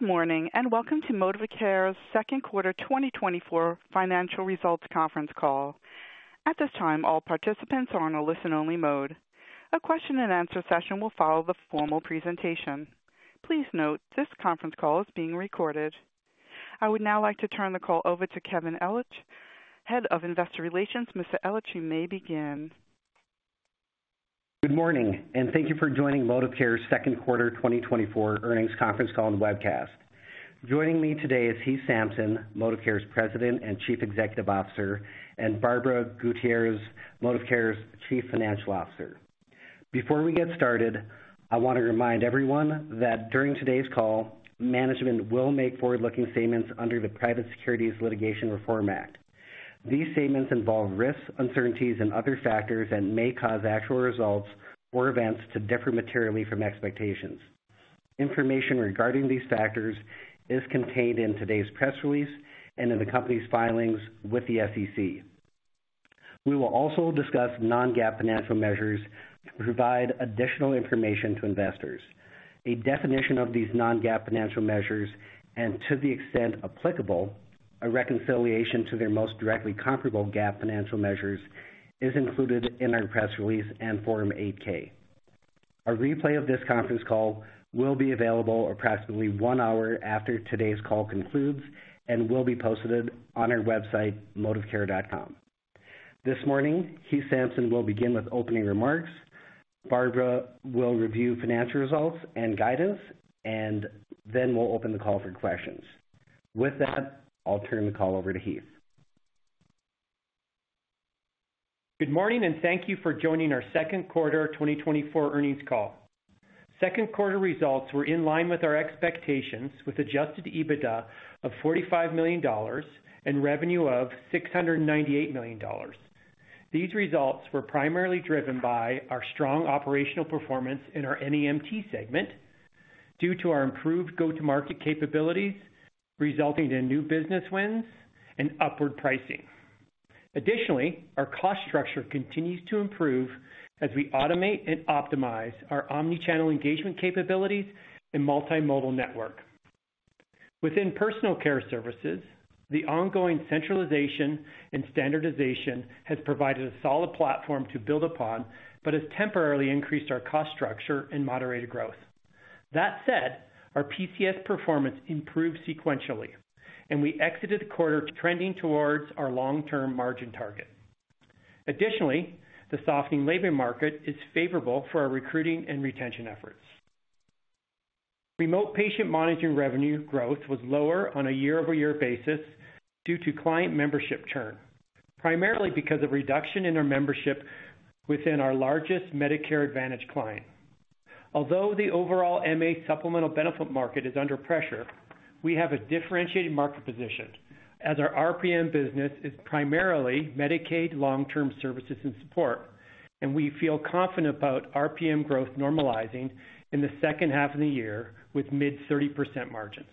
Good morning, and welcome to Modivcare's second quarter 2024 financial results conference call. At this time, all participants are on a listen-only mode. A question-and-answer session will follow the formal presentation. Please note, this conference call is being recorded. I would now like to turn the call over to Kevin Ellich, Head of Investor Relations. Mr. Ellich, you may begin. Good morning, and thank you for joining Modivcare's second quarter 2024 earnings conference call and webcast. Joining me today is Heath Sampson, Modivcare's President and Chief Executive Officer, and Barbara Gutierrez, Modivcare's Chief Financial Officer. Before we get started, I wanna remind everyone that during today's call, management will make forward-looking statements under the Private Securities Litigation Reform Act. These statements involve risks, uncertainties, and other factors that may cause actual results or events to differ materially from expectations. Information regarding these factors is contained in today's press release and in the company's filings with the SEC. We will also discuss non-GAAP financial measures to provide additional information to investors. A definition of these non-GAAP financial measures and, to the extent applicable, a reconciliation to their most directly comparable GAAP financial measures, is included in our press release and Form 8-K. A replay of this conference call will be available approximately one hour after today's call concludes and will be posted on our website, Modivcare.com. This morning, Heath Sampson will begin with opening remarks. Barbara will review financial results and guidance, and then we'll open the call for questions. With that, I'll turn the call over to Heath. Good morning, and thank you for joining our second quarter 2024 earnings call. Second quarter results were in line with our expectations, with Adjusted EBITDA of $45 million and revenue of $698 million. These results were primarily driven by our strong operational performance in our NEMT segment due to our improved go-to-market capabilities, resulting in new business wins and upward pricing. Additionally, our cost structure continues to improve as we automate and optimize our omni-channel engagement capabilities and multimodal network. Within personal care services, the ongoing centralization and standardization has provided a solid platform to build upon but has temporarily increased our cost structure and moderated growth. That said, our PCS performance improved sequentially, and we exited the quarter trending towards our long-term margin target. Additionally, the softening labor market is favorable for our recruiting and retention efforts. Remote patient monitoring revenue growth was lower on a year-over-year basis due to client membership churn, primarily because of reduction in our membership within our largest Medicare Advantage client. Although the overall MA supplemental benefit market is under pressure, we have a differentiated market position as our RPM business is primarily Medicaid long-term services and support, and we feel confident about RPM growth normalizing in the second half of the year with mid-30% margins.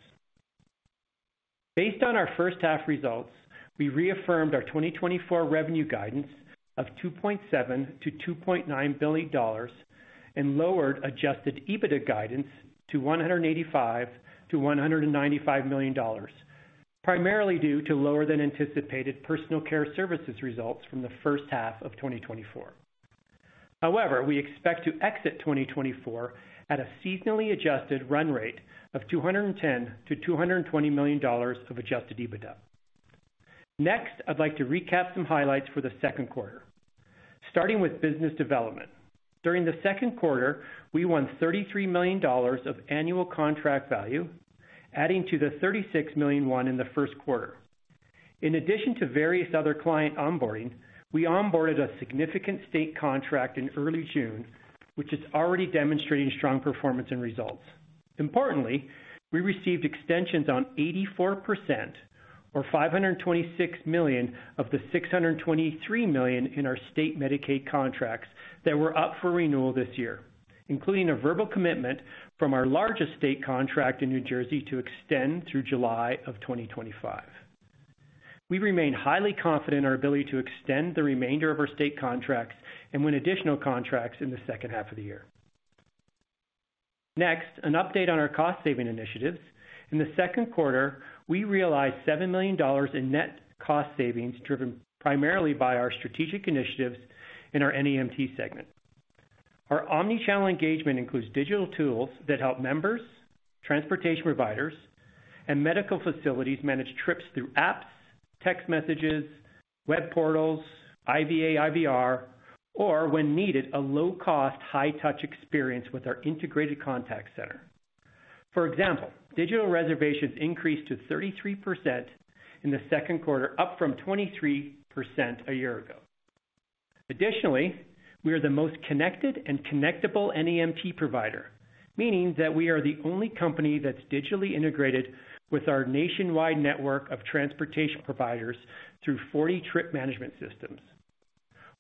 Based on our first half results, we reaffirmed our 2024 revenue guidance of $2.7 billion-$2.9 billion and lowered Adjusted EBITDA guidance to $185 million-$195 million, primarily due to lower than anticipated personal care services results from the first half of 2024. However, we expect to exit 2024 at a seasonally adjusted run rate of $210 million-$220 million of Adjusted EBITDA. Next, I'd like to recap some highlights for the second quarter. Starting with business development. During the second quarter, we won $33 million of annual contract value, adding to the $36 million won in the first quarter. In addition to various other client onboarding, we onboarded a significant state contract in early June, which is already demonstrating strong performance and results. Importantly, we received extensions on 84% or $526 million of the $623 million in our state Medicaid contracts that were up for renewal this year, including a verbal commitment from our largest state contract in New Jersey to extend through July of 2025. We remain highly confident in our ability to extend the remainder of our state contracts and win additional contracts in the second half of the year. Next, an update on our cost-saving initiatives. In the second quarter, we realized $7 million in net cost savings, driven primarily by our strategic initiatives in our NEMT segment. Our omni-channel engagement includes digital tools that help members, transportation providers, and medical facilities manage trips through apps, text messages, web portals, IVA, IVR, or when needed, a low-cost, high-touch experience with our integrated contact center. For example, digital reservations increased to 33% in the second quarter, up from 23% a year ago. Additionally, we are the most connected and connectable NEMT provider, meaning that we are the only company that's digitally integrated with our nationwide network of transportation providers through 40 trip management systems.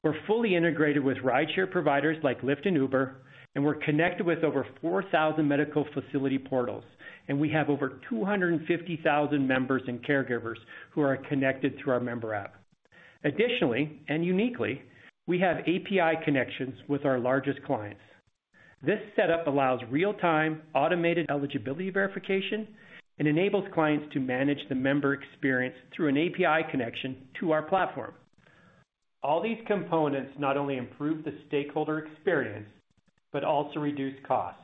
We're fully integrated with rideshare providers like Lyft and Uber, and we're connected with over 4,000 medical facility portals, and we have over 250,000 members and caregivers who are connected through our member app. Additionally, and uniquely, we have API connections with our largest clients. This setup allows real-time, automated eligibility verification and enables clients to manage the member experience through an API connection to our platform. All these components not only improve the stakeholder experience, but also reduce costs,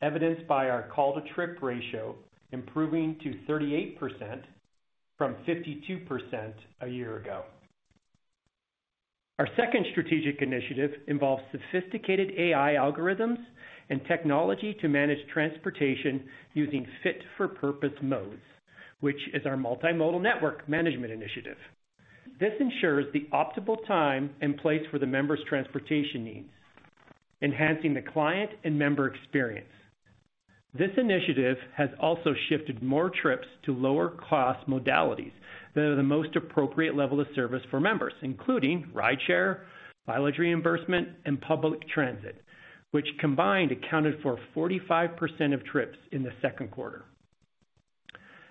evidenced by our call-to-trip ratio improving to 38% from 52% a year ago. Our second strategic initiative involves sophisticated AI algorithms and technology to manage transportation using fit-for-purpose modes, which is our multimodal network management initiative. This ensures the optimal time and place for the member's transportation needs, enhancing the client and member experience. This initiative has also shifted more trips to lower-cost modalities that are the most appropriate level of service for members, including rideshare, mileage reimbursement, and public transit, which combined, accounted for 45% of trips in the second quarter.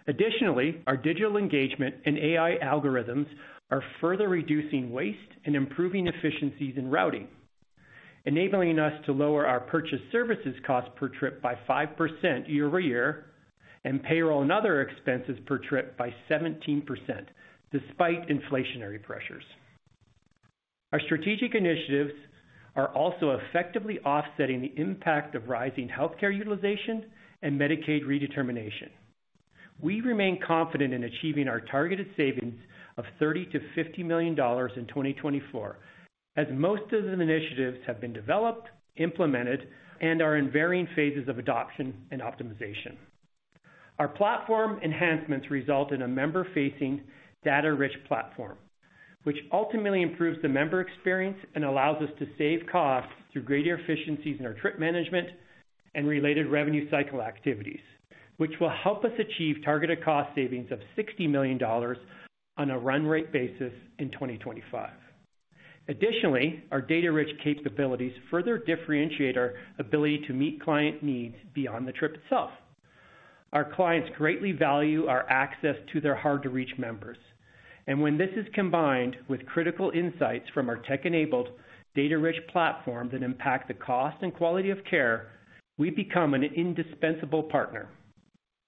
Additionally, our digital engagement and AI algorithms are further reducing waste and improving efficiencies in routing, enabling us to lower our purchase services cost per trip by 5% year over year, and payroll and other expenses per trip by 17%, despite inflationary pressures. Our strategic initiatives are also effectively offsetting the impact of rising healthcare utilization and Medicaid redetermination. We remain confident in achieving our targeted savings of $30 million-$50 million in 2024, as most of the initiatives have been developed, implemented, and are in varying phases of adoption and optimization. Our platform enhancements result in a member-facing, data-rich platform, which ultimately improves the member experience and allows us to save costs through greater efficiencies in our trip management and related revenue cycle activities, which will help us achieve targeted cost savings of $60 million on a run rate basis in 2025. Additionally, our data-rich capabilities further differentiate our ability to meet client needs beyond the trip itself. Our clients greatly value our access to their hard-to-reach members, and when this is combined with critical insights from our tech-enabled, data-rich platform that impact the cost and quality of care, we become an indispensable partner.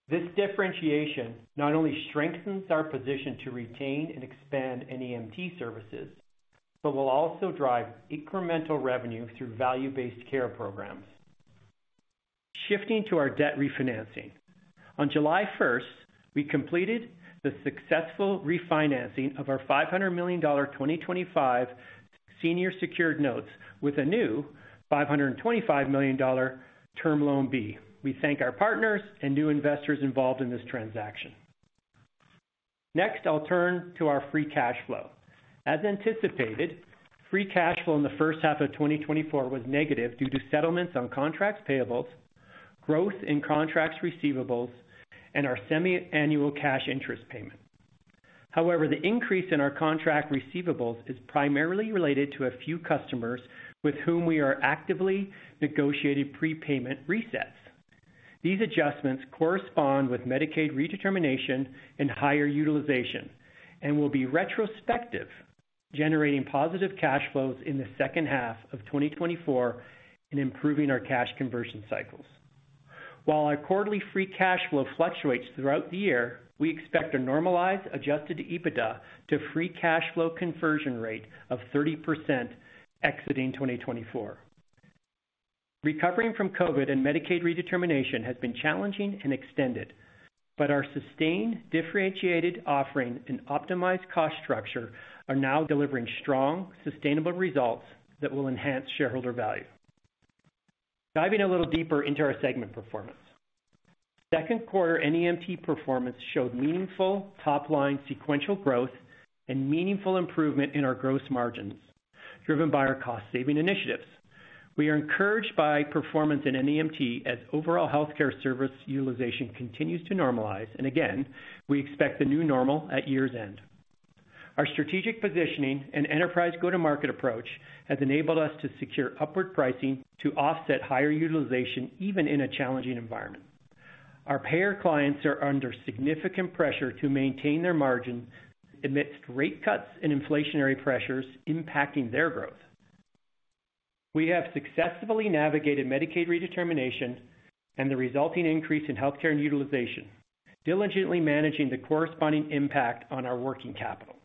This differentiation not only strengthens our position to retain and expand NEMT services, but will also drive incremental revenue through value-based care programs. Shifting to our debt refinancing. On July 1st, we completed the successful refinancing of our $500 million 2025 senior secured notes with a new $525 million term loan B. We thank our partners and new investors involved in this transaction. Next, I'll turn to our free cash flow. As anticipated, free cash flow in the first half of 2024 was negative due to settlements on contract payable, growth in contract receivable, and our semiannual cash interest payment. However, the increase in our contract receivables is primarily related to a few customers with whom we are actively negotiating prepayment resets. These adjustments correspond with Medicaid redetermination and higher utilization and will be retrospective, generating positive cash flows in the second half of 2024 and improving our cash conversion cycles. While our quarterly free cash flow fluctuates throughout the year, we expect a normalized, adjusted EBITDA to free cash flow conversion rate of 30% exiting 2024. Recovering from COVID and Medicaid redetermination has been challenging and extended, but our sustained, differentiated offering and optimized cost structure are now delivering strong, sustainable results that will enhance shareholder value. Diving a little deeper into our segment performance. Second quarter NEMT performance showed meaningful top-line sequential growth and meaningful improvement in our gross margins, driven by our cost-saving initiatives. We are encouraged by performance in NEMT as overall healthcare service utilization continues to normalize, and again, we expect the new normal at year's end. Our strategic positioning and enterprise go-to-market approach has enabled us to secure upward pricing to offset higher utilization, even in a challenging environment. Our payer clients are under significant pressure to maintain their margins amidst rate cuts and inflationary pressures impacting their growth. We have successfully navigated Medicaid redetermination and the resulting increase in healthcare utilization, diligently managing the corresponding impact on our working capital.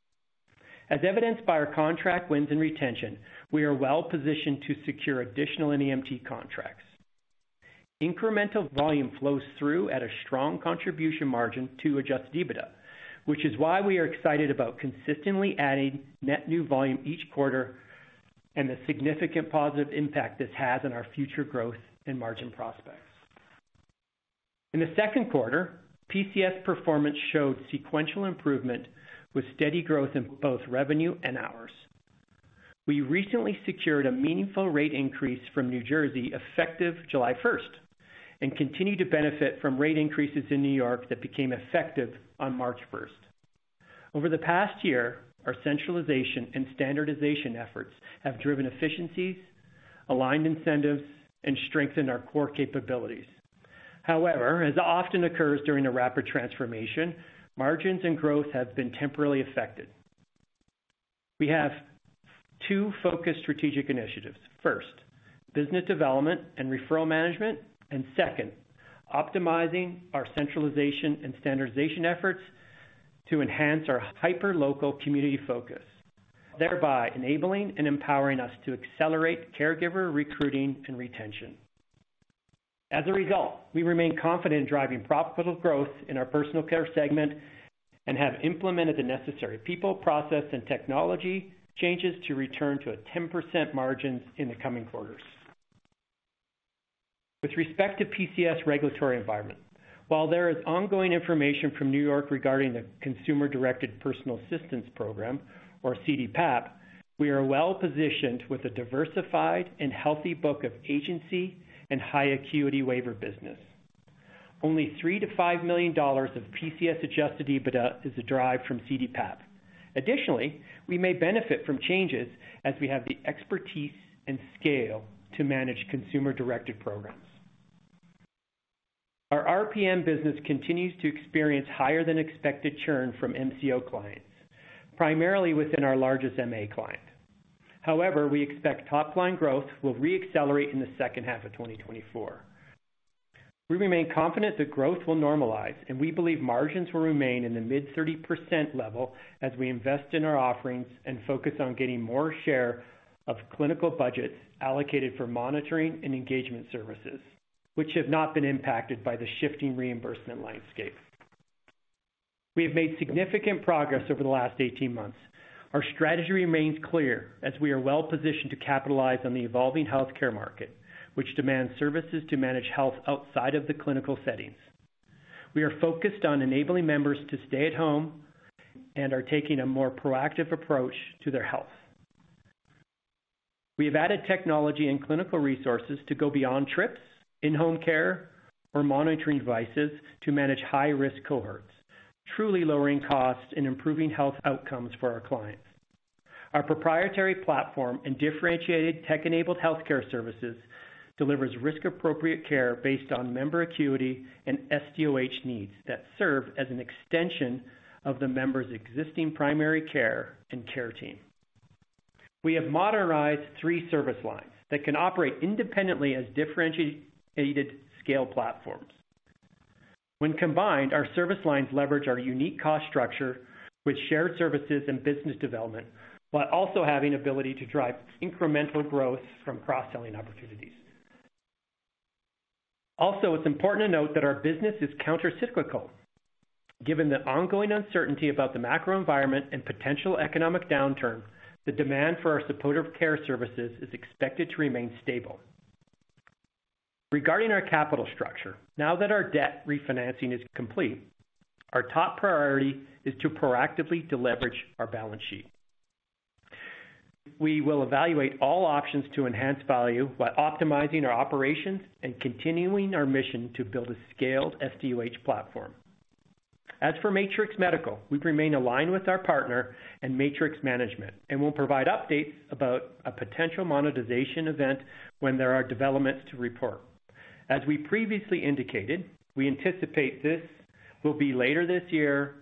As evidenced by our contract wins and retention, we are well positioned to secure additional NEMT contracts. Incremental volume flows through at a strong contribution margin to Adjusted EBITDA, which is why we are excited about consistently adding net new volume each quarter and the significant positive impact this has on our future growth and margin prospects. In the second quarter, PCS performance showed sequential improvement with steady growth in both revenue and hours. We recently secured a meaningful rate increase from New Jersey, effective July 1st, and continue to benefit from rate increases in New York that became effective on March 1st. Over the past year, our centralization and standardization efforts have driven efficiencies, aligned incentives, and strengthened our core capabilities. However, as often occurs during a rapid transformation, margins and growth have been temporarily affected. We have two focused strategic initiatives. First, business development and referral management, and second, optimizing our centralization and standardization efforts to enhance our hyperlocal community focus, thereby enabling and empowering us to accelerate caregiver recruiting and retention. As a result, we remain confident in driving profitable growth in our personal care segment and have implemented the necessary people, process, and technology changes to return to a 10% margins in the coming quarters. With respect to PCS regulatory environment, while there is ongoing information from New York regarding the Consumer Directed Personal Assistance Program, or CDPAP, we are well-positioned with a diversified and healthy book of agency and high acuity waiver business. Only $3 million-$5 million of PCS adjusted EBITDA is derived from CDPAP. Additionally, we may benefit from changes as we have the expertise and scale to manage consumer-directed programs. Our RPM business continues to experience higher than expected churn from MCO clients, primarily within our largest MA client. However, we expect top line growth will re-accelerate in the second half of 2024. We remain confident that growth will normalize, and we believe margins will remain in the mid-30% level as we invest in our offerings and focus on getting more share of clinical budgets allocated for monitoring and engagement services, which have not been impacted by the shifting reimbursement landscape. We have made significant progress over the last 18 months. Our strategy remains clear as we are well positioned to capitalize on the evolving healthcare market, which demands services to manage health outside of the clinical settings. We are focused on enabling members to stay at home and are taking a more proactive approach to their health. We have added technology and clinical resources to go beyond trips, in-home care, or monitoring devices to manage high-risk cohorts, truly lowering costs and improving health outcomes for our clients. Our proprietary platform and differentiated tech-enabled healthcare services delivers risk-appropriate care based on member acuity and SDOH needs that serve as an extension of the member's existing primary care and care team. We have modernized three service lines that can operate independently as differentiated scale platforms. When combined, our service lines leverage our unique cost structure with shared services and business development, while also having ability to drive incremental growth from cross-selling opportunities. Also, it's important to note that our business is countercyclical. Given the ongoing uncertainty about the macro environment and potential economic downturn, the demand for our supportive care services is expected to remain stable. Regarding our capital structure, now that our debt refinancing is complete, our top priority is to proactively deleverage our balance sheet. We will evaluate all options to enhance value while optimizing our operations and continuing our mission to build a scaled SDOH platform. As for Matrix Medical, we remain aligned with our partner and Matrix management, and we'll provide updates about a potential monetization event when there are developments to report. As we previously indicated, we anticipate this will be later this year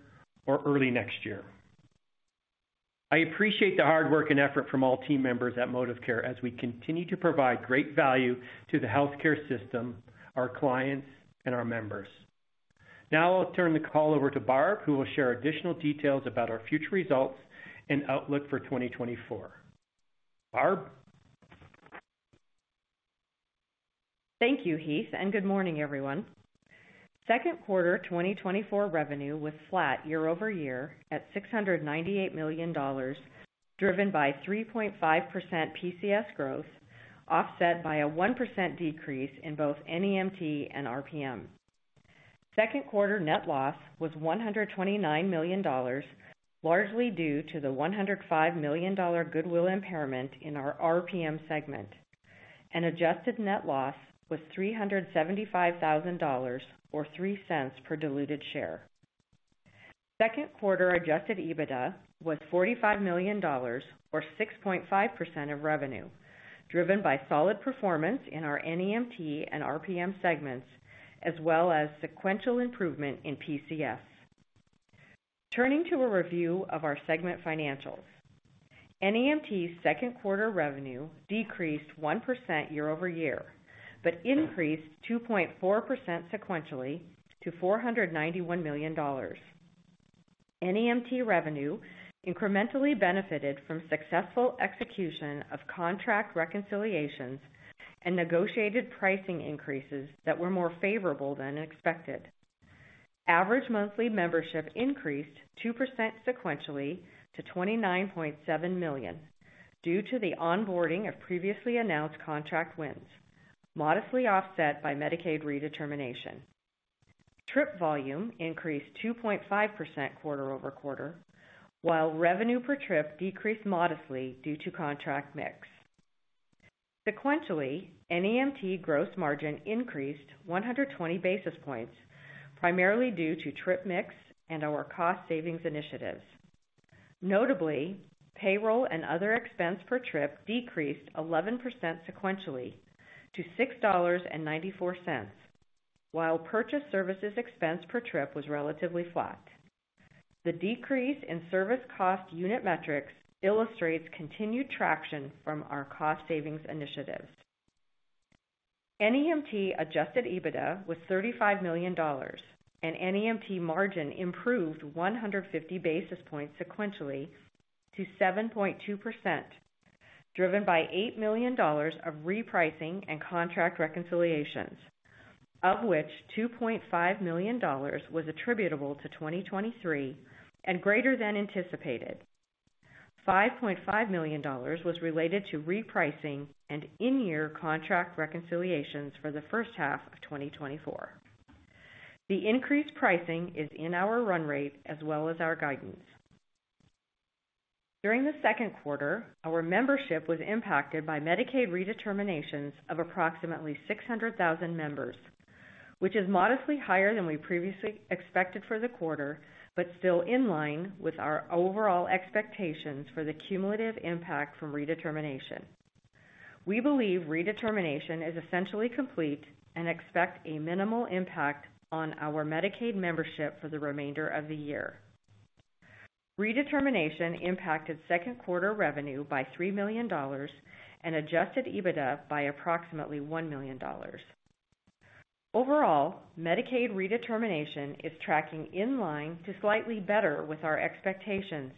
or early next year. I appreciate the hard work and effort from all team members at Modivcare as we continue to provide great value to the healthcare system, our clients, and our members. Now I'll turn the call over to Barb, who will share additional details about our future results and outlook for 2024. Barb? Thank you, Heath, and good morning, everyone. Second quarter 2024 revenue was flat year-over-year at $698 million, driven by 3.5% PCS growth, offset by a 1% decrease in both NEMT and RPM. Second quarter net loss was $129 million, largely due to the $105 million goodwill impairment in our RPM segment, and adjusted net loss was $375,000, or $0.03 per diluted share. Second quarter adjusted EBITDA was $45 million, or 6.5% of revenue, driven by solid performance in our NEMT and RPM segments, as well as sequential improvement in PCS. Turning to a review of our segment financials. NEMT's second quarter revenue decreased 1% year-over-year, but increased 2.4% sequentially to $491 million. NEMT revenue incrementally benefited from successful execution of contract reconciliations and negotiated pricing increases that were more favorable than expected. Average monthly membership increased 2% sequentially to 29.7 million due to the onboarding of previously announced contract wins, modestly offset by Medicaid redetermination. Trip volume increased 2.5% quarter-over-quarter, while revenue per trip decreased modestly due to contract mix. Sequentially, NEMT gross margin increased 120 basis points, primarily due to trip mix and our cost savings initiatives. Notably, payroll and other expense per trip decreased 11% sequentially to $6.94, while purchase services expense per trip was relatively flat. The decrease in service cost unit metrics illustrates continued traction from our cost savings initiatives. NEMT adjusted EBITDA was $35 million, and NEMT margin improved 150 basis points sequentially to 7.2%, driven by $8 million of repricing and contract reconciliations, of which $2.5 million was attributable to 2023 and greater than anticipated. $5.5 million was related to repricing and in-year contract reconciliations for the first half of 2024. The increased pricing is in our run rate as well as our guidance. During the second quarter, our membership was impacted by Medicaid redeterminations of approximately 600,000 members, which is modestly higher than we previously expected for the quarter, but still in line with our overall expectations for the cumulative impact from redetermination. We believe redetermination is essentially complete and expect a minimal impact on our Medicaid membership for the remainder of the year. Redetermination impacted second quarter revenue by $3 million and Adjusted EBITDA by approximately $1 million. Overall, Medicaid redetermination is tracking in line to slightly better with our expectations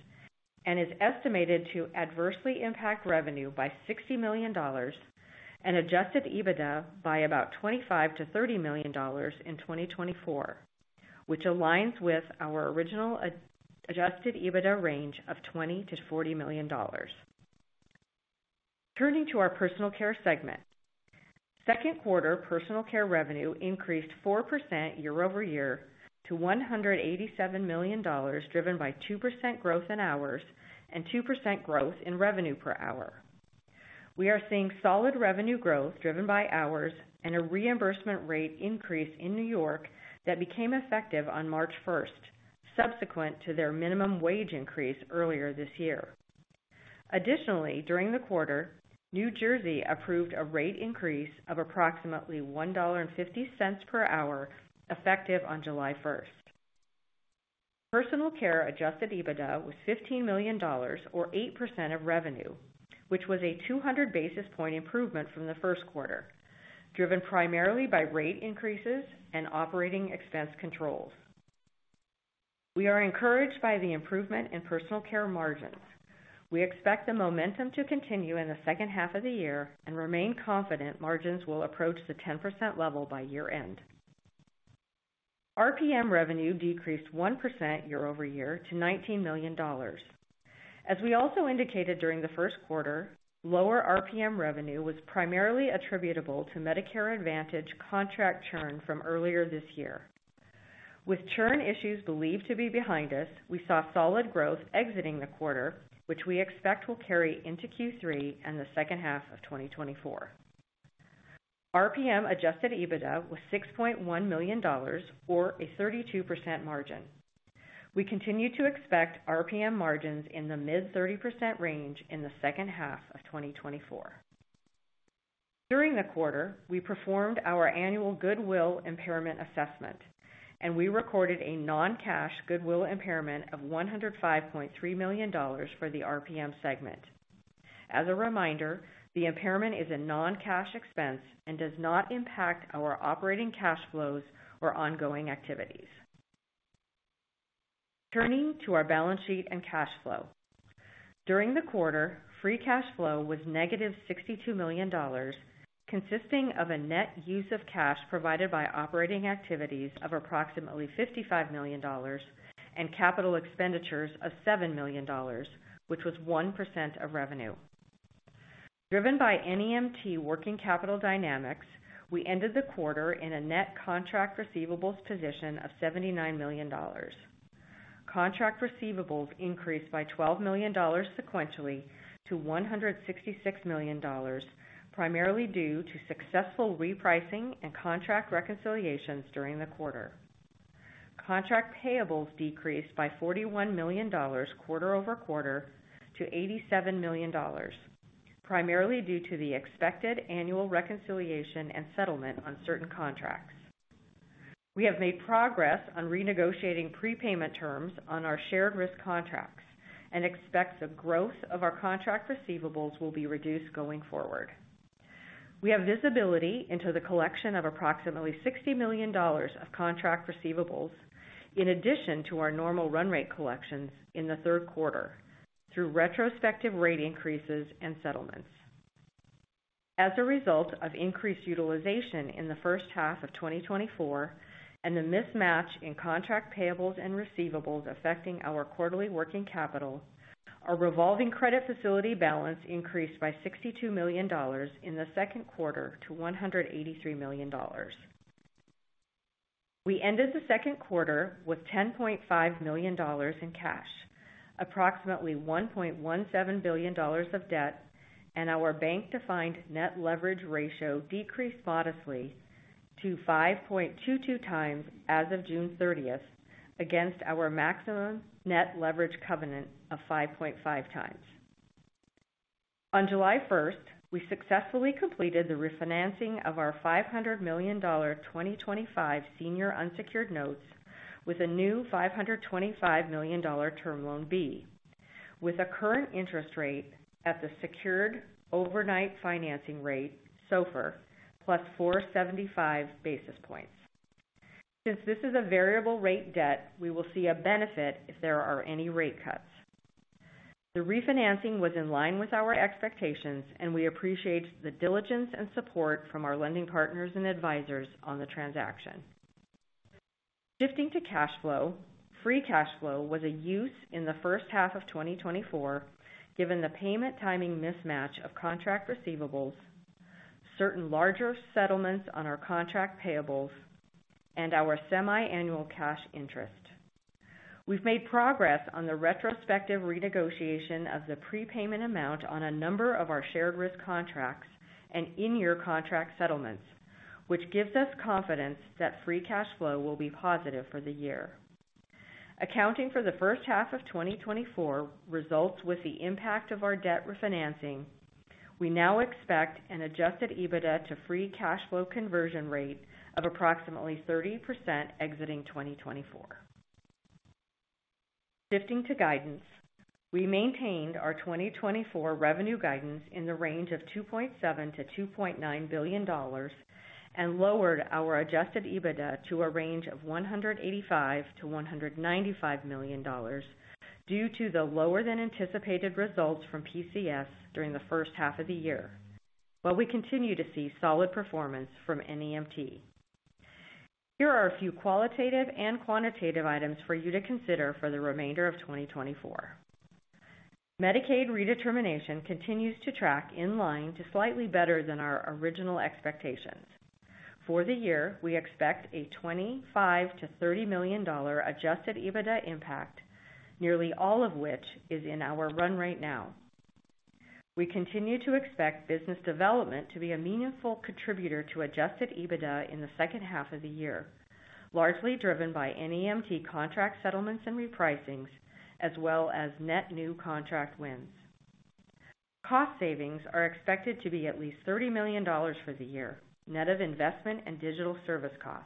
and is estimated to adversely impact revenue by $60 million and Adjusted EBITDA by about $25 million $30 million in 2024, which aligns with our original adjusted EBITDA range of $20 million $40 million. Turning to our personal care segment. Second quarter personal care revenue increased 4% year-over-year to $187 million, driven by 2% growth in hours and 2% growth in revenue per hour. We are seeing solid revenue growth driven by hours and a reimbursement rate increase in New York that became effective on March first, subsequent to their minimum wage increase earlier this year. Additionally, during the quarter, New Jersey approved a rate increase of approximately $1.50 per hour, effective on July first. Personal care adjusted EBITDA was $15 million, or 8% of revenue, which was a 200 basis point improvement from the first quarter, driven primarily by rate increases and operating expense controls. We are encouraged by the improvement in personal care margins. We expect the momentum to continue in the second half of the year and remain confident margins will approach the 10% level by year-end. RPM revenue decreased 1% year-over-year to $19 million. As we also indicated during the first quarter, lower RPM revenue was primarily attributable to Medicare Advantage contract churn from earlier this year. With churn issues believed to be behind us, we saw solid growth exiting the quarter, which we expect will carry into Q3 and the second half of 2024. RPM adjusted EBITDA was $6.1 million, or a 32% margin. We continue to expect RPM margins in the mid-30% range in the second half of 2024. During the quarter, we performed our annual goodwill impairment assessment, and we recorded a non-cash goodwill impairment of $105.3 million for the RPM segment. As a reminder, the impairment is a non-cash expense and does not impact our operating cash flows or ongoing activities. Turning to our balance sheet and cash flow. During the quarter, free cash flow was -$62 million, consisting of a net use of cash provided by operating activities of approximately $55 million and capital expenditures of $7 million, which was 1% of revenue. Driven by NEMT working capital dynamics, we ended the quarter in a net contract receivables position of $79 million. Contract receivables increased by $12 million sequentially to $166 million, primarily due to successful repricing and contract reconciliations during the quarter. Contract payables decreased by $41 million quarter-over-quarter to $87 million, primarily due to the expected annual reconciliation and settlement on certain contracts. We have made progress on renegotiating prepayment terms on our shared risk contracts and expect the growth of our contract receivable will be reduced going forward. We have visibility into the collection of approximately $60 million of contract receivables in addition to our normal run rate collections in the third quarter through retrospective rate increases and settlements. As a result of increased utilization in the first half of 2024 and a mismatch in contract payables and receivables affecting our quarterly working capital, our revolving credit facility balance increased by $62 million in the second quarter to $183 million. We ended the second quarter with $10.5 million in cash, approximately $1.17 billion of debt, and our bank-defined net leverage ratio decreased modestly to 5.22x as of June 30th, against our maximum net leverage covenant of 5.5x. On July 1, we successfully completed the refinancing of our $500 million 2025 senior unsecured notes, with a new $525 million term loan B, with a current interest rate at the Secured Overnight Financing Rate, SOFR, plus 475 basis points. Since this is a variable rate debt, we will see a benefit if there are any rate cuts. The refinancing was in line with our expectations, and we appreciate the diligence and support from our lending partners and advisors on the transaction. Shifting to cash flow, free cash flow was a use in the first half of 2024, given the payment timing mismatch of contract receivables, certain larger settlements on our contract payables, and our semiannual cash interest. We've made progress on the retrospective renegotiation of the prepayment amount on a number of our shared risk contracts and in-year contract settlements, which gives us confidence that free cash flow will be positive for the year. Accounting for the first half of 2024 results with the impact of our debt refinancing, we now expect an adjusted EBITDA to free cash flow conversion rate of approximately 30% exiting 2024. Shifting to guidance, we maintained our 2024 revenue guidance in the range of $2.7 billion-$2.9 billion, and lowered our adjusted EBITDA to a range of $185 million-$195 million, due to the lower than anticipated results from PCS during the first half of the year, while we continue to see solid performance from NEMT. Here are a few qualitative and quantitative items for you to consider for the remainder of 2024. Medicaid redetermination continues to track in line to slightly better than our original expectations. For the year, we expect a $25 million-$30 million adjusted EBITDA impact, nearly all of which is in our run rate now. We continue to expect business development to be a meaningful contributor to adjusted EBITDA in the second half of the year, largely driven by NEMT contract settlements and repricings, as well as net new contract wins. Cost savings are expected to be at least $30 million for the year, net of investment and digital service cost.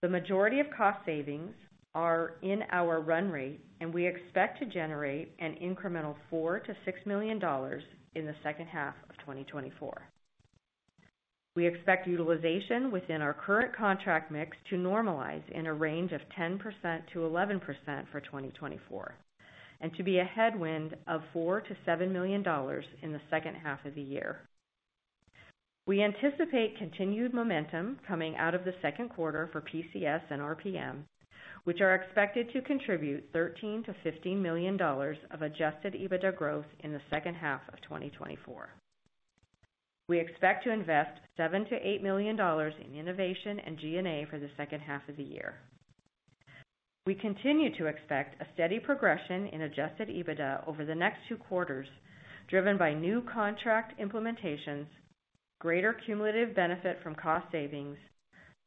The majority of cost savings are in our run rate, and we expect to generate an incremental $4 million-$6 million in the second half of 2024. We expect utilization within our current contract mix to normalize in a range of 10%-11% for 2024, and to be a headwind of $4 million-$7 million in the second half of the year. We anticipate continued momentum coming out of the second quarter for PCS and RPM, which are expected to contribute $13 million-$15 million of adjusted EBITDA growth in the second half of 2024. We expect to invest $7 million-$8 million in innovation and GNA for the second half of the year. We continue to expect a steady progression in adjusted EBITDA over the next two quarters, driven by new contract implementations, greater cumulative benefit from cost savings,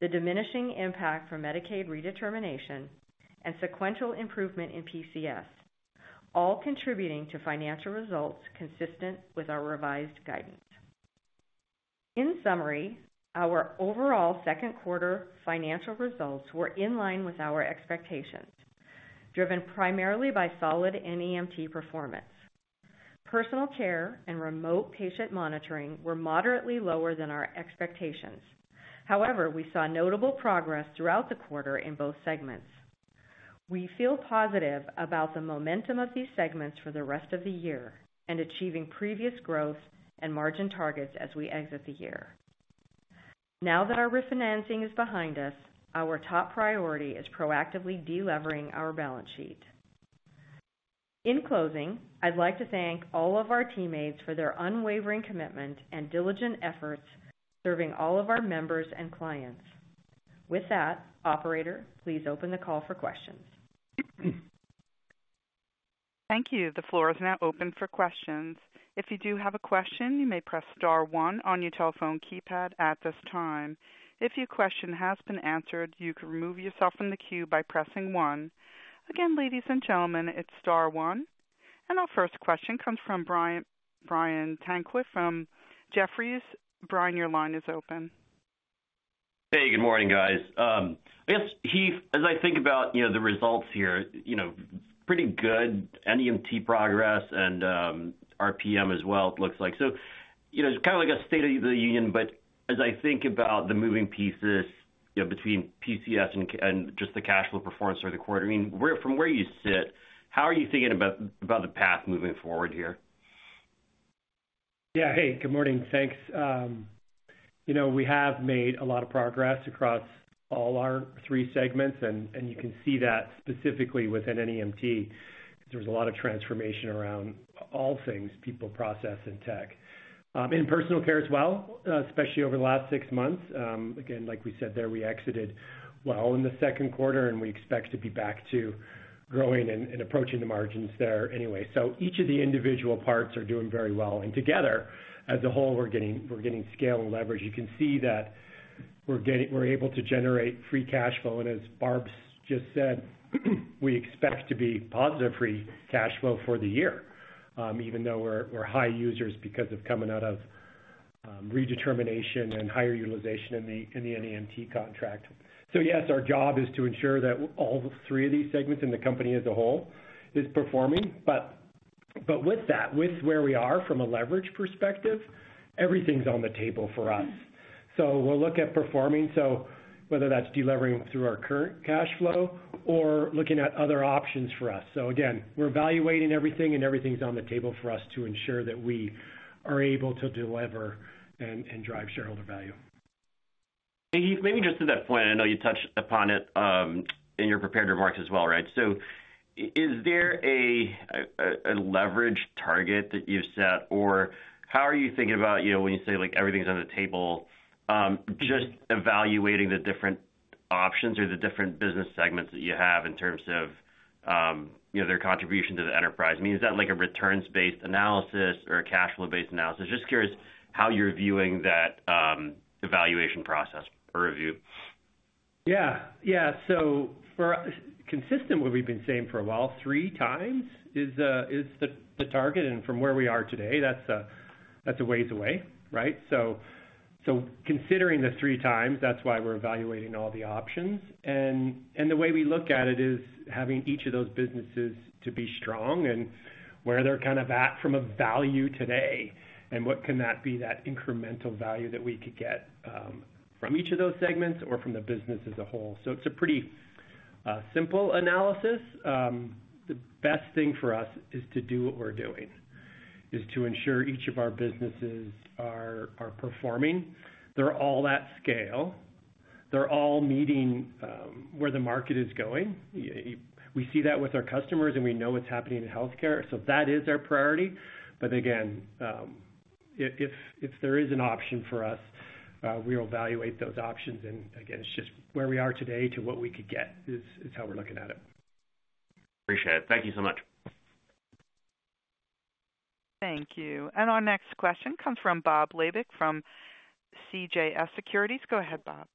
the diminishing impact from Medicaid redetermination, and sequential improvement in PCS, all contributing to financial results consistent with our revised guidance. In summary, our overall second quarter financial results were in line with our expectations, driven primarily by solid NEMT performance. Personal care and remote patient monitoring were moderately lower than our expectations. However, we saw notable progress throughout the quarter in both segments. We feel positive about the momentum of these segments for the rest of the year and achieving previous growth and margin targets as we exit the year. Now that our refinancing is behind us, our top priority is proactively delevering our balance sheet. In closing, I'd like to thank all of our teammates for their unwavering commitment and diligent efforts serving all of our members and clients. With that, operator, please open the call for questions. Thank you. The floor is now open for questions. If you do have a question, you may press star 1 on your telephone keypad at this time. If your question has been answered, you can remove yourself from the queue by pressing 1. Again, ladies and gentlemen, it's star 1. Our first question comes from Brian Tanquilut from Jefferies. Brian, your line is open. Hey, good morning, guys. I guess, Heath, as I think about, you know, the results here, you know, pretty good NEMT progress and, RPM as well, it looks like. So, you know, kind of like a State of the Union, but as I think about the moving pieces, you know, between PCS and, and just the cash flow performance for the quarter, I mean, where, from where you sit, how are you thinking about, about the path moving forward here? Yeah. Hey, good morning. Thanks. You know, we have made a lot of progress across all our three segments, and you can see that specifically within NEMT, because there was a lot of transformation around all things, people, process, and tech. In personal care as well, especially over the last six months. Again, like we said, there, we exited well in the second quarter, and we expect to be back to growing and approaching the margins there anyway. So each of the individual parts are doing very well, and together, as a whole, we're getting scale and leverage. You can see that we're able to generate free cash flow, and as Barb's just said, we expect to be positive free cash flow for the year, even though we're high users because of coming out of redetermination and higher utilization in the NEMT contract. So yes, our job is to ensure that all three of these segments in the company as a whole is performing. But with that, with where we are from a leverage perspective, everything's on the table for us. So we'll look at performing, so whether that's delivering through our current cash flow or looking at other options for us. So again, we're evaluating everything, and everything's on the table for us to ensure that we are able to deliver and drive shareholder value. And Heath, maybe just to that point, I know you touched upon it in your prepared remarks as well, right? So is there a leverage target that you've set, or how are you thinking about, you know, when you say, like, everything's on the table, just evaluating the different options or the different business segments that you have in terms of, their contribution to the enterprise? I mean, is that like a returns-based analysis or a cashflow-based analysis? Just curious how you're viewing that evaluation process or review. Yeah. Yeah. So, consistent with what we've been saying for a while, three times is the target, and from where we are today, that's a ways away, right? So, considering the three times, that's why we're evaluating all the options. And the way we look at it is having each of those businesses to be strong and where they're kind of at from a value today, and what can that be, that incremental value that we could get from each of those segments or from the business as a whole. So it's a pretty simple analysis. The best thing for us is to do what we're doing, is to ensure each of our businesses are performing. They're all at scale, they're all meeting where the market is going. We see that with our customers, and we know what's happening in healthcare, so that is our priority. But again, if there is an option for us, we'll evaluate those options. And again, it's just where we are today to what we could get is how we're looking at it. Appreciate it. Thank you so much. Thank you. And our next question comes from Bob Labick, from CJS Securities. Go ahead, Bob.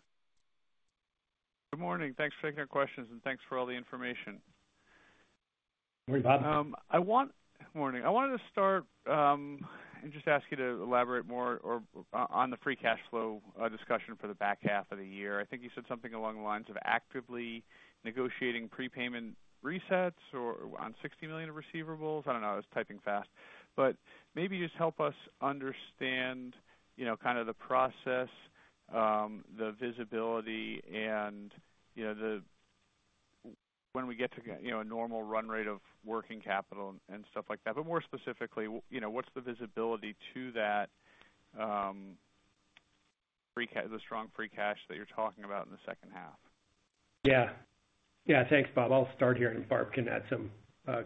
Good morning. Thanks for taking our questions, and thanks for all the information. Good morning, Bob. Good morning. I wanted to start and just ask you to elaborate more on the free cash flow discussion for the back half of the year. I think you said something along the lines of actively negotiating prepayment resets on $60 million of receivable. I don't know, I was typing fast. But maybe just help us understand, you know, kind of the process, the visibility and, you know, when we get to, you know, a normal run rate of working capital and stuff like that. But more specifically, you know, what's the visibility to that, the strong free cash that you're talking about in the second half? Yeah. Yeah, thanks, Bob. I'll start here, and Barb can add some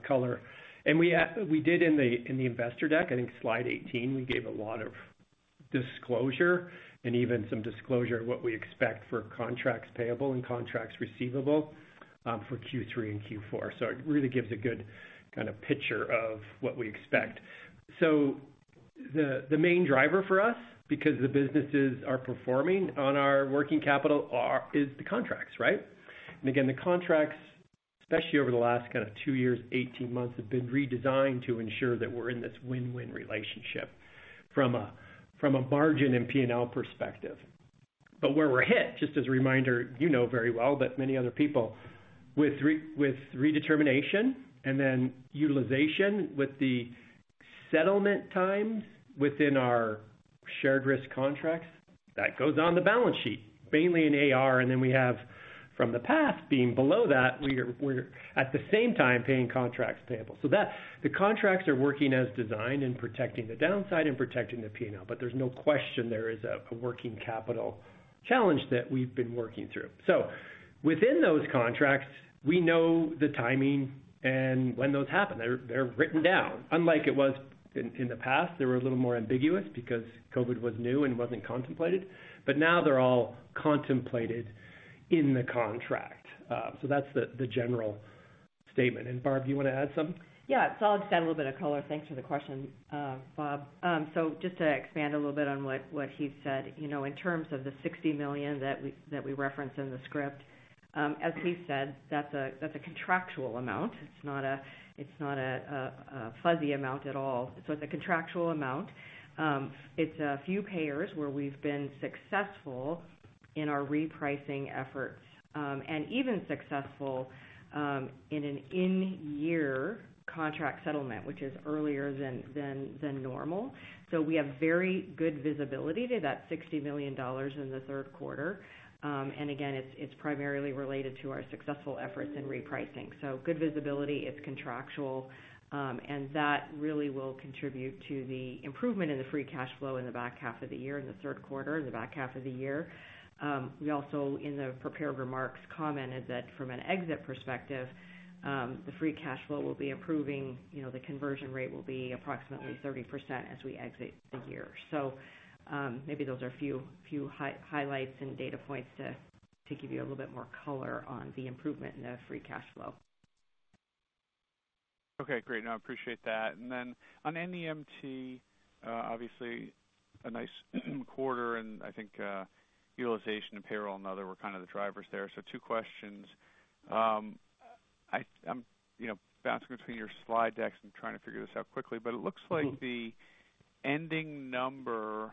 color. We did in the investor deck, I think slide 18, we gave a lot of disclosure and even some disclosure of what we expect for contracts payable and contracts receivable for Q3 and Q4. So it really gives a good kind of picture of what we expect. So the main driver for us, because the businesses are performing on our working capital, is the contracts, right? And again, the contracts, especially over the last kind of two years, 18 months, have been redesigned to ensure that we're in this win-win relationship from a margin and P&L perspective. But where we're hit, just as a reminder, you know very well, but many other people, with redetermination and then utilization, with the settlement times within our shared risk contracts, that goes on the balance sheet, mainly in AR. And then we have from the past, being below that, we're at the same time paying contracts payable. So that, the contracts are working as designed and protecting the downside and protecting the P&L. But there's no question there is a working capital challenge that we've been working through. So within those contracts, we know the timing and when those happen, they're written down. Unlike it was in the past, they were a little more ambiguous because COVID was new and wasn't contemplated, but now they're all contemplated in the contract. So that's the general statement. Barb, do you want to add some? Yeah, so I'll just add a little bit of color. Thanks for the question, Bob. So just to expand a little bit on what he said, you know, in terms of the $60 million that we referenced in the script, as we said, that's a contractual amount. It's not a fuzzy amount at all. So it's a contractual amount. It's a few payers where we've been successful in our repricing efforts, and even successful in an in-year contract settlement, which is earlier than normal. So we have very good visibility to that $60 million in the third quarter. And again, it's primarily related to our successful efforts in repricing. So good visibility, it's contractual, and that really will contribute to the improvement in the free cash flow in the back half of the year, in the third quarter, in the back half of the year. We also, in the prepared remarks, commented that from an exit perspective, the free cash flow will be improving. You know, the conversion rate will be approximately 30% as we exit the year. So, maybe those are a few highlights and data points to give you a little bit more color on the improvement in the free cash flow.... Okay, great. No, I appreciate that. And then on NEMT, obviously a nice quarter, and I think, utilization and payroll and other were kind of the drivers there. So two questions. I'm, you know, bouncing between your slide decks and trying to figure this out quickly, but it looks like the ending number of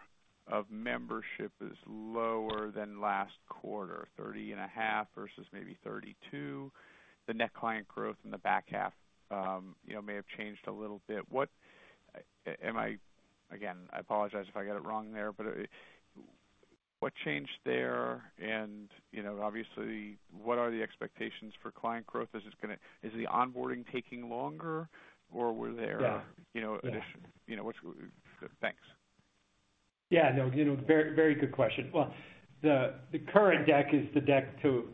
membership is lower than last quarter, 30.5 versus maybe 32. The net client growth in the back half, you know, may have changed a little bit. What-- Am I-- Again, I apologize if I got it wrong there, but, what changed there? And, you know, obviously, what are the expectations for client growth? Is this gonna, Is the onboarding taking longer, or were there- Yeah. You know, addition? which, thanks. Yeah, no, very, very good question. Well, the current deck is the deck to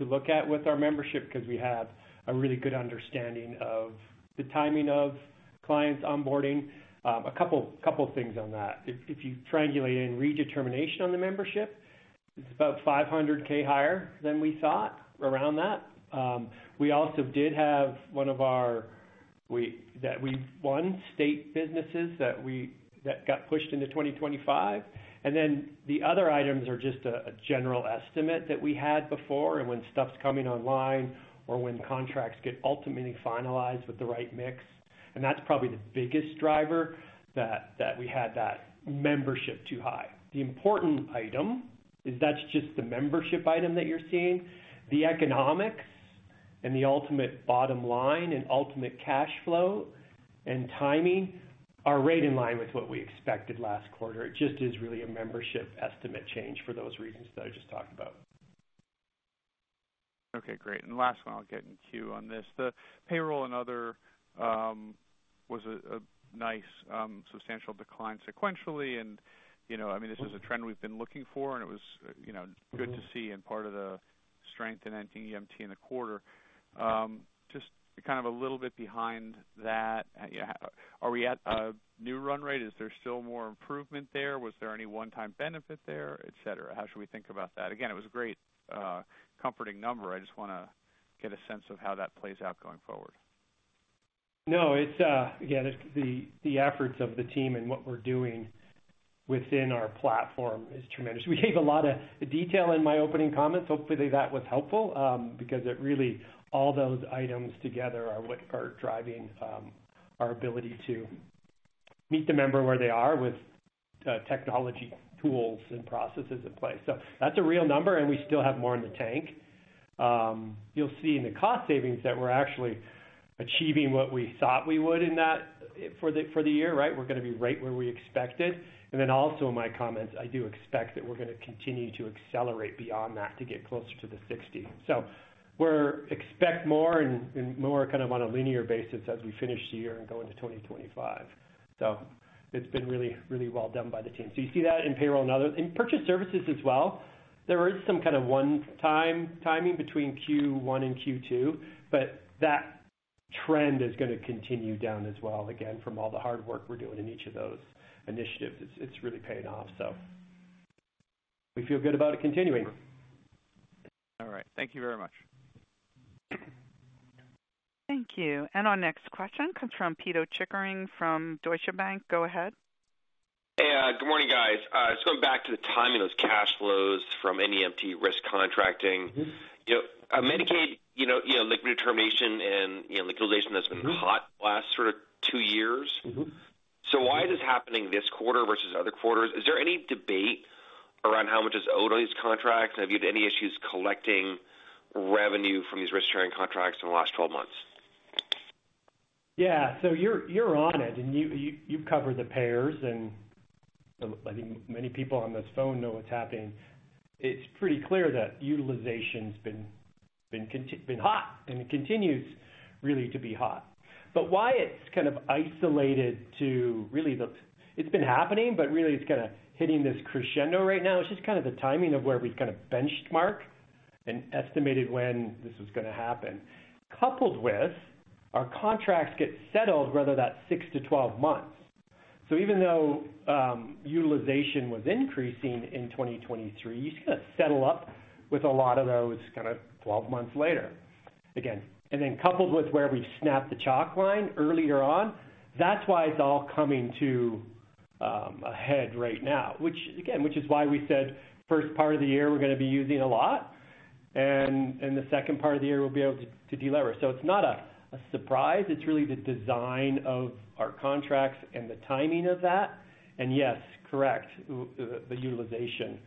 look at with our membership because we have a really good understanding of the timing of clients onboarding. A couple things on that. If you triangulate in redetermination on the membership, it's about 500K higher than we thought, around that. We also did have one of our state businesses that we won that got pushed into 2025, and then the other items are just a general estimate that we had before, and when stuff's coming online, or when contracts get ultimately finalized with the right mix. And that's probably the biggest driver that we had that membership too high. The important item is that's just the membership item that you're seeing. The economics and the ultimate bottom line and ultimate cash flow and timing are right in line with what we expected last quarter. It just is really a membership estimate change for those reasons that I just talked about. Okay, great. And last one, I'll get in queue on this. The payroll and other was a nice substantial decline sequentially. And, you know, I mean, this is a trend we've been looking for, and it was, you know, good to see and part of the strength in NEMT in the quarter. Just kind of a little bit behind that, are we at a new run rate? Is there still more improvement there? Was there any one-time benefit there, et cetera? How should we think about that? Again, it was a great comforting number. I just wanna get a sense of how that plays out going forward. No, it's again, it's the efforts of the team and what we're doing within our platform is tremendous. We gave a lot of detail in my opening comments. Hopefully, that was helpful, because it really, all those items together are what are driving our ability to meet the member where they are with technology, tools, and processes in place. So that's a real number, and we still have more in the tank. You'll see in the cost savings that we're actually achieving what we thought we would in that for the year, right? We're gonna be right where we expected. And then also in my comments, I do expect that we're gonna continue to accelerate beyond that to get closer to the 60. So we're expect more and more kind of on a linear basis as we finish the year and go into 2025. So it's been really, really well done by the team. So you see that in payroll and other, in purchase services as well. There is some kind of one-time timing between Q1 and Q2, but that trend is gonna continue down as well. Again, from all the hard work we're doing in each of those initiatives, it's really paying off. So we feel good about it continuing. All right. Thank you very much. Thank you. Our next question comes from Pito Chickering from Deutsche Bank. Go ahead. Hey, good morning, guys. Just going back to the timing of those cash flows from NEMT risk contracting. You know, Medicaid, you know, you know, redetermination and, you know, utilization- has been hot last sort of two years. Why is this happening this quarter versus other quarters? Is there any debate around how much is owed on these contracts? And have you had any issues collecting revenue from these risk-sharing contracts in the last 12 months? Yeah. So you're on it, and you've covered the payers, and I think many people on this phone know what's happening. It's pretty clear that utilization's been hot, and it continues really to be hot. But why it's kind of isolated to really the... It's been happening, but really, it's kind of hitting this crescendo right now. It's just kind of the timing of where we kind of benchmarked and estimated when this was gonna happen, coupled with our contracts get settled, whether that's 6-12 months. So even though utilization was increasing in 2023, you kind of settle up with a lot of those kind of 12 months later, again. And then coupled with where we've snapped the chalk line earlier on, that's why it's all coming to a head right now, which, again, which is why we said, first part of the year, we're gonna be using a lot, and the second part of the year, we'll be able to delever. So it's not a surprise. It's really the design of our contracts and the timing of that. And yes, correct, the utilization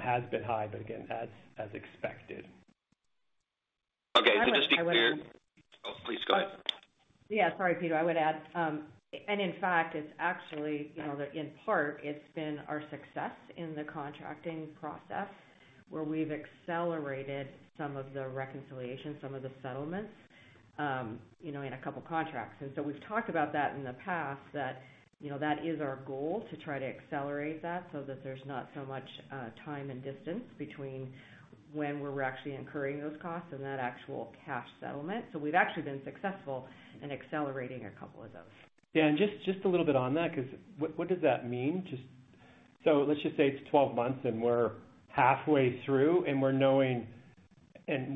has been high, but again, as expected. Okay. Just to be clear Oh, please go ahead. Yeah, sorry, Peter. I would add, and in fact, it's actually, you know, in part, it's been our success in the contracting process, where we've accelerated some of the reconciliation, some of the settlements, you know, in a couple of contracts. And so we've talked about that in the past, that, you know, that is our goal, to try to accelerate that so that there's not so much time and distance between when we're actually incurring those costs and that actual cash settlement. So we've actually been successful in accelerating a couple of those. Yeah, and just a little bit on that, 'cause what does that mean? So let's just say it's 12 months and we're halfway through, and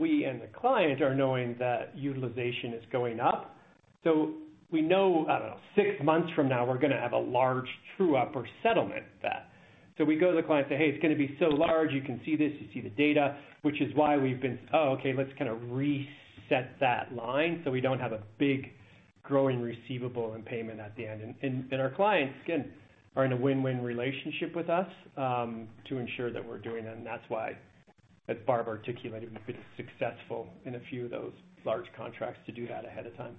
we and the client are knowing that utilization is going up. So we know, I don't know, 6 months from now, we're gonna have a large true up or settlement debt. So we go to the client and say, "Hey, it's gonna be so large. You can see this, you see the data," which is why we've been, "Oh, okay, let's kind of reset that line so we don't have a big growing receivable and payment at the end." And our clients, again, are in a win-win relationship with us to ensure that we're doing it. That's why, as Barb articulated, we've been successful in a few of those large contracts to do that ahead of time.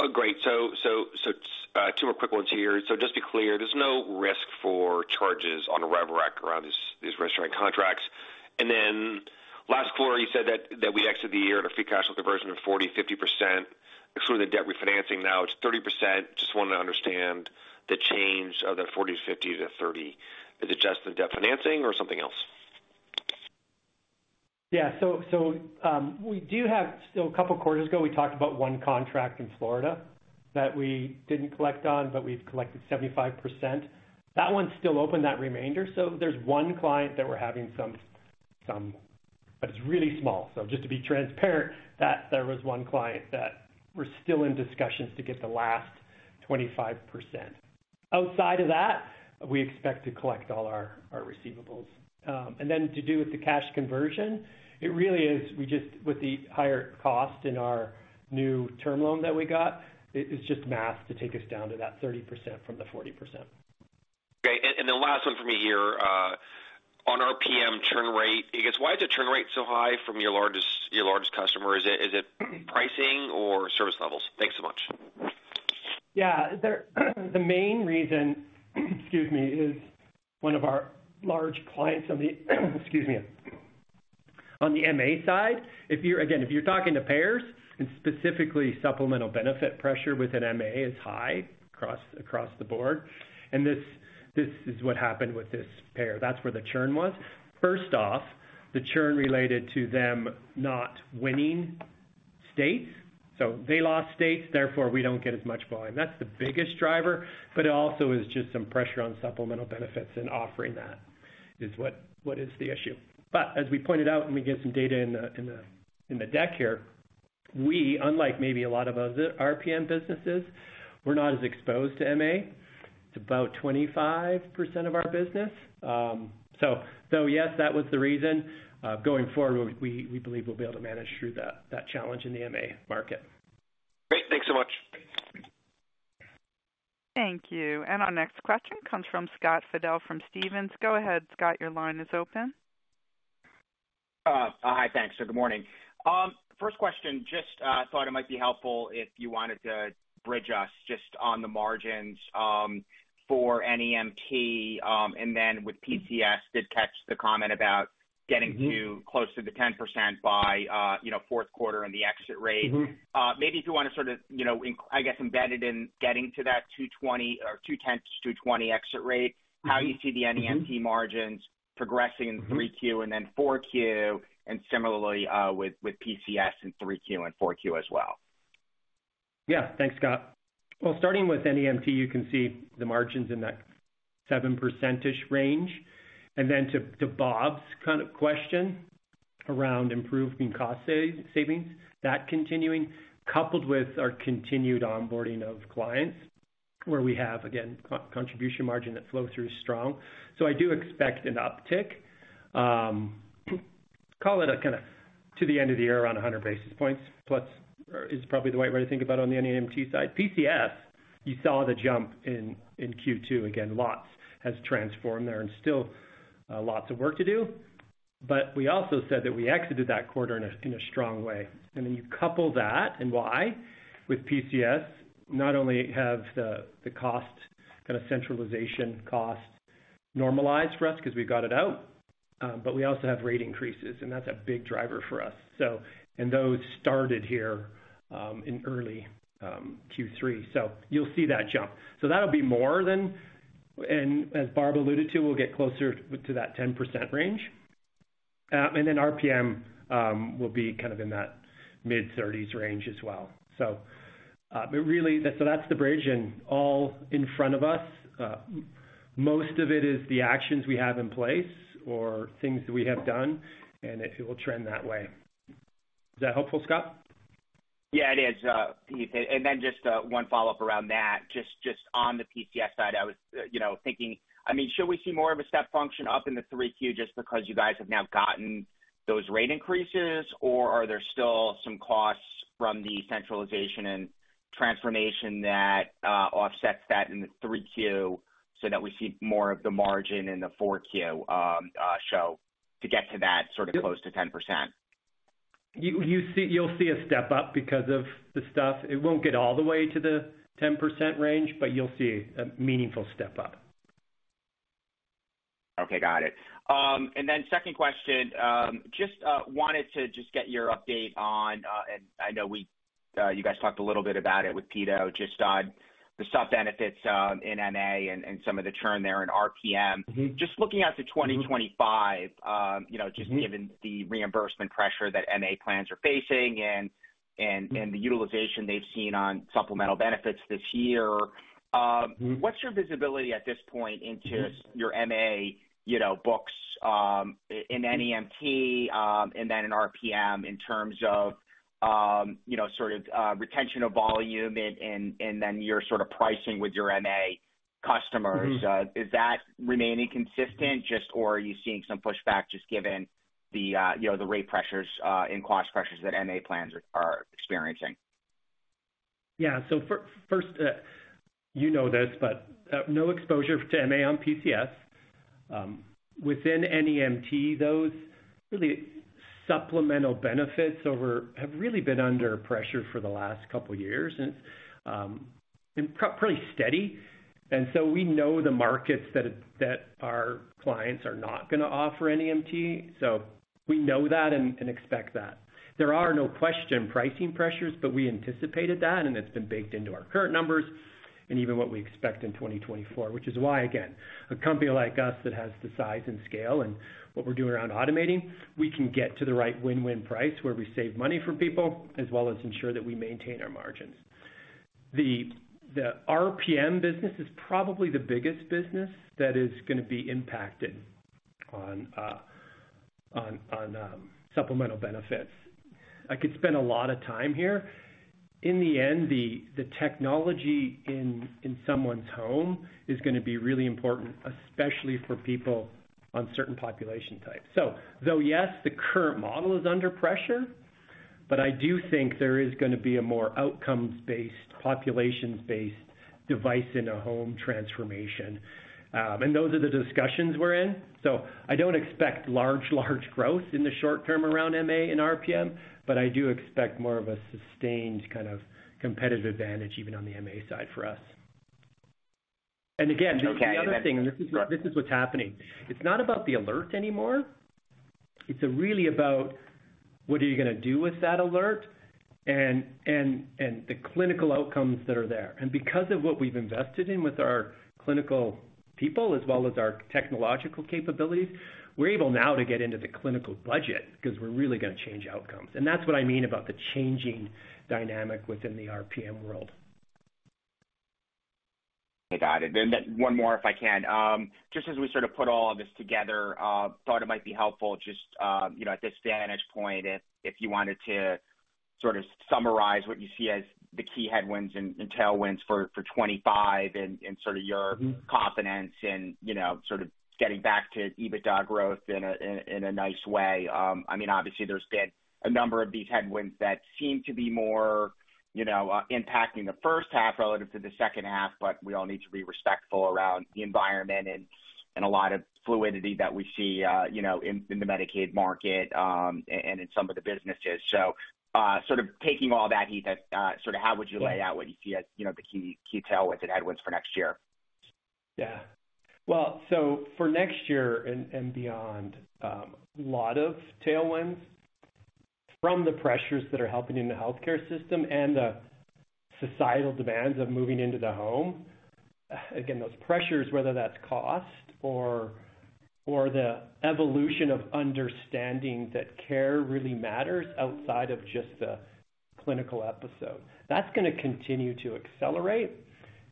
Oh, great. So, two more quick ones here. So just to be clear, there's no risk for charges on arrival rate around these restaurant contracts. And then last quarter, you said that we exited the year at a free cash flow conversion of 40%-50%. Exclude the debt refinancing, now it's 30%. Just wanted to understand the change of the 40-50 to 30. Is it just the debt financing or something else? Yeah. So, we do have still a couple of quarters ago, we talked about one contract in Florida that we didn't collect on, but we've collected 75%. That one's still open, that remainder. So there's one client that we're having some... But it's really small. So just to be transparent, that there was one client that we're still in discussions to get the last 25%. Outside of that, we expect to collect all our receivable. And then to do with the cash conversion, it really is, we just, with the higher cost in our new term loan that we got, it, it's just math to take us down to that 30% from the 40%. Great. And the last one for me here, on our PM churn rate, I guess, why is the churn rate so high from your largest, your largest customer? Is it, is it pricing or service levels? Thanks so much. Yeah, the main reason, excuse me, is one of our large clients on the, excuse me, on the MA side, if you're talking to payers, and specifically supplemental benefit pressure within MA is high across the board, and this is what happened with this payer. That's where the churn was. First off, the churn related to them not winning states, so they lost states, therefore, we don't get as much volume. That's the biggest driver, but it also is just some pressure on supplemental benefits and offering that is what is the issue. But as we pointed out, when we get some data in the deck here, we, unlike maybe a lot of other RPM businesses, we're not as exposed to MA. It's about 25% of our business. So yes, that was the reason. Going forward, we believe we'll be able to manage through that challenge in the MA market. Great. Thanks so much. Thank you. Our next question comes from Scott Fidel, from Stephens. Go ahead, Scott. Your line is open. Hi. Thanks. So good morning. First question, just thought it might be helpful if you wanted to bridge us just on the margins for NEMT, and then with PCS, did catch the comment about getting to close to the 10% by, you know, fourth quarter and the exit rate. Maybe if you want to sort of, you know, I guess, embedded in getting to that 220 or 210-220 exit rate how you see the NEMT margins progressing? - in 3Q and then 4Q, and similarly, with PCS in 3Q and 4Q as well. Yeah. Thanks, Scott. Well, starting with NEMT, you can see the margins in that 7% range. And then to Bob's kind of question around improving cost savings, that continuing, coupled with our continued onboarding of clients, where we have, again, contribution margin, that flow-through is strong. So I do expect an uptick, call it a kind of to the end of the year, around 100 basis points, plus, is probably the right way to think about on the NEMT side. PCS, you saw the jump in Q2. Again, lots has transformed there and still lots of work to do. But we also said that we exited that quarter in a strong way. And then you couple that and why with PCS, not only have the cost, kind of centralization cost normalized for us because we got it out, but we also have rate increases, and that's a big driver for us. So, and those started here in early Q3. So you'll see that jump. So that'll be more than... And as Barb alluded to, we'll get closer to that 10% range. And then RPM will be kind of in that mid-thirties range as well. So, but really, so that's the bridge and all in front of us. Most of it is the actions we have in place or things that we have done, and it will trend that way. Is that helpful, Scott? Yeah, it is, Heath. And then just one follow-up around that, just on the PCS side, I was, thinking, I mean, should we see more of a step function up in the 3Q just because you guys have now gotten those rate increases? Or are there still some costs from the centralization and transformation that offsets that in the 3Q so that we see more of the margin in the 4Q, show to get to that sort of close to 10%? You'll see a step up because of the stuff. It won't get all the way to the 10% range, but you'll see a meaningful step up. Okay, got it. And then second question, just wanted to just get your update on, and I know you guys talked a little bit about it with Pete, just on the sub benefits in MA and some of the churn there in RPM. Just looking out to 2025, you know, just given the reimbursement pressure that MA plans are facing and the utilization they've seen on supplemental benefits this year, What's your visibility at this point into your MA, you know, books, in NEMT, and then in RPM in terms of, you know, sort of, retention of volume and then your sort of pricing with your MA customers? Is that remaining consistent, just, or are you seeing some pushback, just given the, you know, the rate pressures, and cost pressures that MA plans are experiencing? Yeah. So first, you know this, but, no exposure to MA on PCS. Within NEMT, those really supplemental benefits have really been under pressure for the last couple of years, and pretty steady. And so we know the markets that our clients are not gonna offer NEMT, so we know that and expect that. There are no question pricing pressures, but we anticipated that, and it's been baked into our current numbers and even what we expect in 2024, which is why, again, a company like us that has the size and scale and what we're doing around automating, we can get to the right win-win price, where we save money for people, as well as ensure that we maintain our margins. The RPM business is probably the biggest business that is gonna be impacted on supplemental benefits. I could spend a lot of time here. In the end, the technology in someone's home is gonna be really important, especially for people on certain population types. So though, yes, the current model is under pressure, but I do think there is gonna be a more outcomes-based, populations-based device in a home transformation. And those are the discussions we're in. So I don't expect large growth in the short term around MA and RPM, but I do expect more of a sustained kind of competitive advantage even on the MA side for us. And again- Okay. This is the other thing, and this is, this is what's happening. It's not about the alert anymore. It's really about what are you gonna do with that alert, and, and, and the clinical outcomes that are there. And because of what we've invested in with our clinical people as well as our technological capabilities, we're able now to get into the clinical budget because we're really gonna change outcomes. And that's what I mean about the changing dynamic within the RPM world. I got it. Then one more, if I can. Just as we sort of put all of this together, thought it might be helpful, just, you know, at this vantage point, if you wanted to sort of summarize what you see as the key headwinds and tailwinds for 25 and sort of your -confidence and, you know, sort of getting back to EBITDA growth in a nice way. I mean, obviously, there's been a number of these headwinds that seem to be more, you know, impacting the first half relative to the second half, but we all need to be respectful around the environment and a lot of fluidity that we see, you know, in the Medicaid market and in some of the businesses. So, sort of taking all that, Heath, sort of how would you lay out what you see as, the key tailwinds and headwinds for next year? Yeah. Well, so for next year and, and beyond, a lot of tailwinds from the pressures that are helping in the healthcare system and the societal demands of moving into the home. Again, those pressures, whether that's cost or, or the evolution of understanding that care really matters outside of just the clinical episode, that's gonna continue to accelerate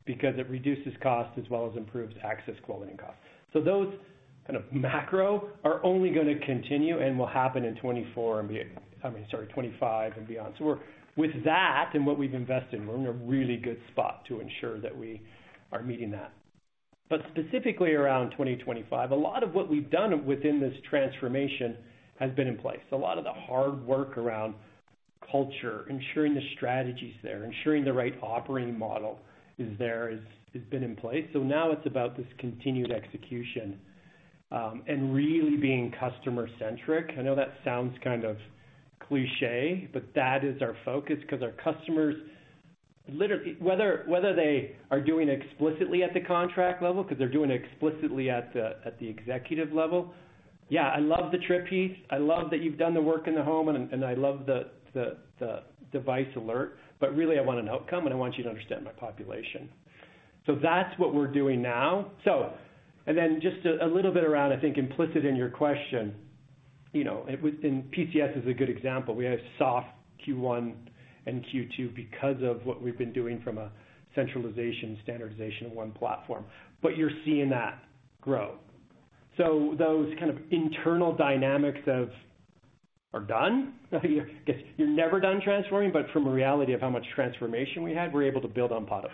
because it reduces costs as well as improves access quality and cost. So those kind of macro are only gonna continue and will happen in 2024 and I mean, sorry, 2025 and beyond. So we're-- with that and what we've invested, we're in a really good spot to ensure that we are meeting that. But specifically around 2025, a lot of what we've done within this transformation has been in place. A lot of the hard work around culture, ensuring the strategy's there, ensuring the right operating model is there, has been in place. So now it's about this continued execution, and really being customer-centric. I know that sounds kind of cliché, but that is our focus because our customers, literally, whether they are doing explicitly at the contract level, because they're doing it explicitly at the executive level. "Yeah, I love the trip piece. I love that you've done the work in the home, and, and I love the, the, the device alert, but really I want an outcome, and I want you to understand my population." So that's what we're doing now. So-- And then just a little bit around, I think, implicit in your question, it was, and PCS is a good example. We had a soft Q1 and Q2 because of what we've been doing from a centralization, standardization of one platform, but you're seeing that grow. So those kind of internal dynamics are done, guess you're never done transforming, but from a reality of how much transformation we had, we're able to build on top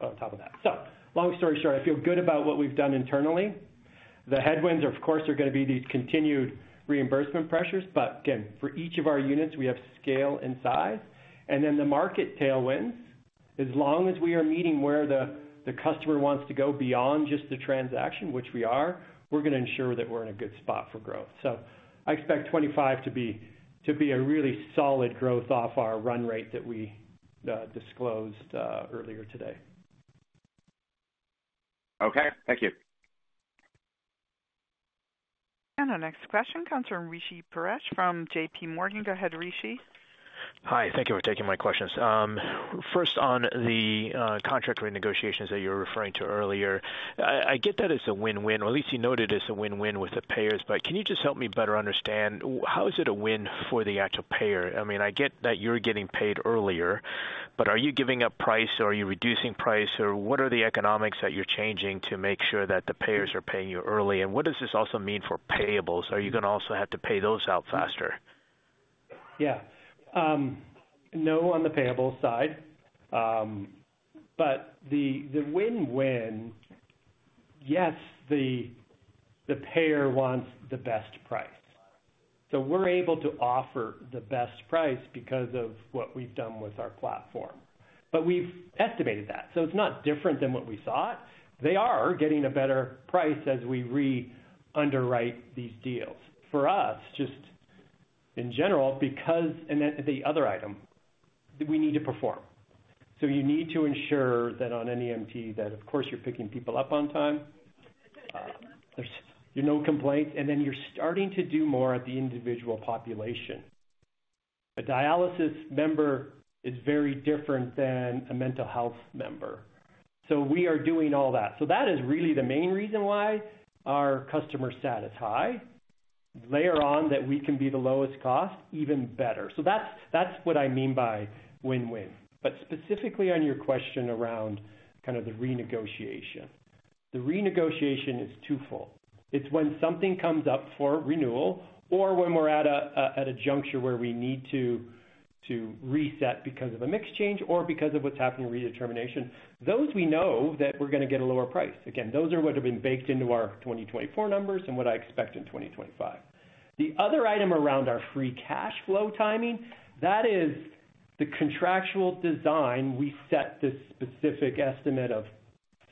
of that. So long story short, I feel good about what we've done internally. The headwinds, of course, are gonna be these continued reimbursement pressures, but again, for each of our units, we have scale and size. And then the market tailwinds, as long as we are meeting where the, the customer wants to go beyond just the transaction, which we are, we're gonna ensure that we're in a good spot for growth. I expect 25 to be a really solid growth off our run rate that we disclosed earlier today. Okay. Thank you. Our next question comes from Rishi Parekh from JP Morgan. Go ahead, Rishi. Hi. Thank you for taking my questions. First, on the contract renegotiations that you were referring to earlier, I get that it's a win-win, or at least you noted it's a win-win with the payers, but can you just help me better understand how is it a win for the actual payer? I mean, I get that you're getting paid earlier, but are you giving up price, or are you reducing price, or what are the economics that you're changing to make sure that the payers are paying you early? And what does this also mean for payables? Are you gonna also have to pay those out faster? Yeah. No, on the payable side. But the win-win, yes, the payer wants the best price, so we're able to offer the best price because of what we've done with our platform. But we've estimated that, so it's not different than what we thought. They are getting a better price as we re-underwrite these deals. For us, just in general, because... And then the other item, we need to perform. So you need to ensure that on NEMT, that, of course, you're picking people up on time, there's no complaints, and then you're starting to do more at the individual population. A dialysis member is very different than a mental health member, so we are doing all that. So that is really the main reason why our customer sat is high. Layer on that we can be the lowest cost, even better. So that's, that's what I mean by win-win. But specifically on your question around kind of the renegotiation, the renegotiation is twofold. It's when something comes up for renewal or when we're at a, at a juncture where we need to, to reset because of a mix change or because of what's happening in redetermination. Those we know that we're gonna get a lower price. Again, those are what have been baked into our 2024 numbers and what I expect in 2025. The other item around our free cash flow timing, that is the contractual design. We set this specific estimate of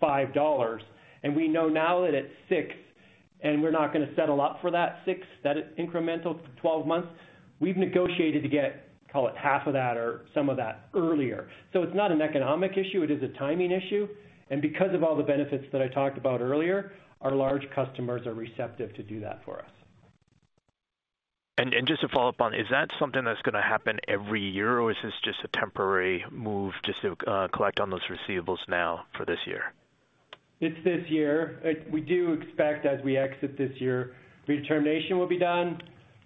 $5, and we know now that it's $6, and we're not gonna settle up for that $6, that is incremental to 12 months. We've negotiated to get, call it, half of that or some of that earlier. It's not an economic issue, it is a timing issue, and because of all the benefits that I talked about earlier, our large customers are receptive to do that for us. And just to follow up on, is that something that's gonna happen every year, or is this just a temporary move just to collect on those receivable now for this year? It's this year. We do expect, as we exit this year, redetermination will be done,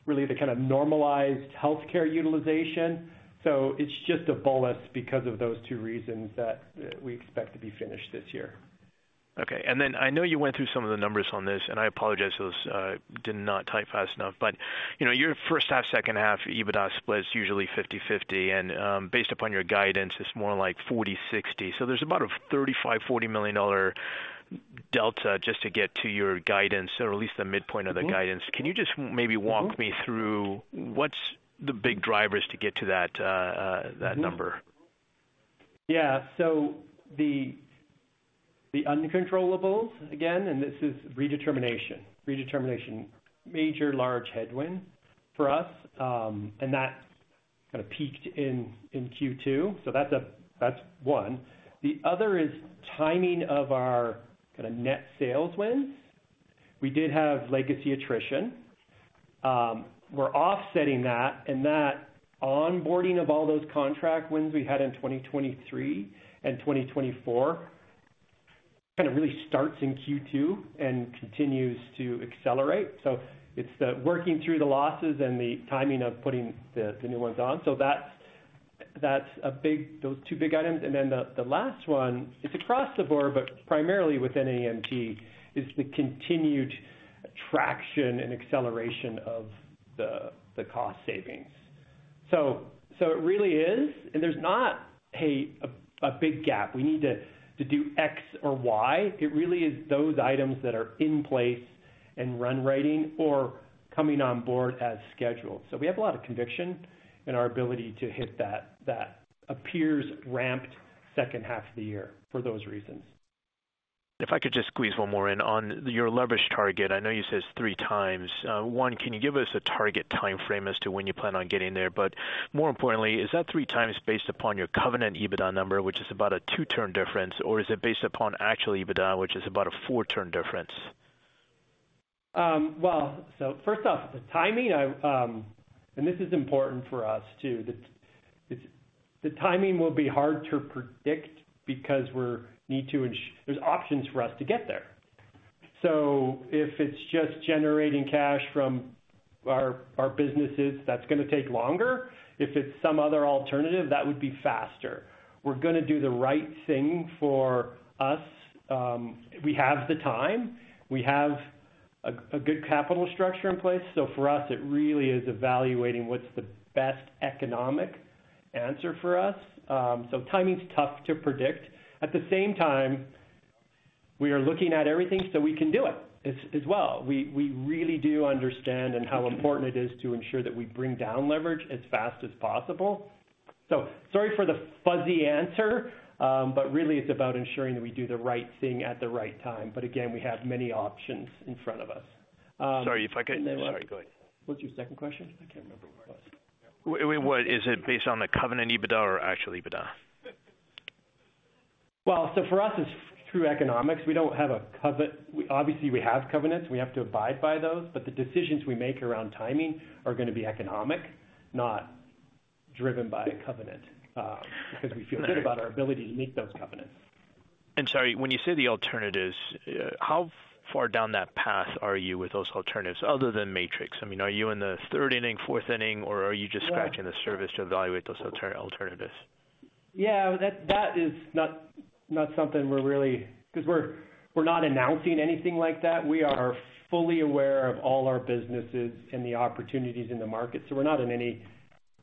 really to kind of normalize healthcare utilization. So it's just a bonus because of those two reasons that we expect to be finished this year. Okay. Then I know you went through some of the numbers on this, and I apologize if was did not type fast enough, but, you know, your first half, second half EBITDA split is usually 50/50, and, based upon your guidance, it's more like 40/60. So there's about a $35-$40 million delta just to get to your guidance or at least the midpoint of the guidance. Can you just maybe walk me through what's the big drivers to get to that number? Yeah. So the uncontrollables, again, and this is redetermination. Redetermination, a major large headwind for us, and that kind of peaked in Q2. So that's one. The other is timing of our kind of net sales wins. We did have legacy attrition. We're offsetting that, and that onboarding of all those contract wins we had in 2023 and 2024 kind of really starts in Q2 and continues to accelerate. So it's the working through the losses and the timing of putting the new ones on. So that's a big. Those two big items. And then the last one, it's across the board, but primarily with NEMT, is the continued traction and acceleration of the cost savings. So it really is, and there's not, hey, a big gap, we need to do X or Y. It really is those items that are in place and run rate or coming on board as scheduled. So we have a lot of conviction in our ability to hit that, that appears ramped second half of the year for those reasons. If I could just squeeze one more in. On your leverage target, I know you said it's 3x. One, can you give us a target timeframe as to when you plan on getting there? But more importantly, is that 3x based upon your covenant EBITDA number, which is about a two-turn difference, or is it based upon actual EBITDA, which is about a four-turn difference? Well, so first off, the timing, and this is important for us, too. The timing will be hard to predict because we need to ensure there's options for us to get there. So if it's just generating cash from our, our businesses, that's gonna take longer. If it's some other alternative, that would be faster. We're gonna do the right thing for us. We have the time. We have a good capital structure in place. So for us, it really is evaluating what's the best economic answer for us. So timing's tough to predict. At the same time, we are looking at everything, so we can do it as well. We really do understand how important it is to ensure that we bring down leverage as fast as possible. So sorry for the fuzzy answer, but really it's about ensuring that we do the right thing at the right time. But again, we have many options in front of us. Sorry, if I could- And then- Sorry, go ahead. What's your second question? I can't remember what it was. What is it based on the covenant EBITDA or actual EBITDA? Well, so for us, it's true economics. We don't have a covenant. Obviously, we have covenants, we have to abide by those, but the decisions we make around timing are going to be economic, not driven by a covenant, because we feel good about our ability to meet those covenants. And sorry, when you say the alternatives, how far down that path are you with those alternatives other than Matrix? I mean, are you in the third inning, fourth inning, or are you just scratching the surface to evaluate those alternatives? Yeah, that is not something we're really, because we're not announcing anything like that. We are fully aware of all our businesses and the opportunities in the market, so we're not in any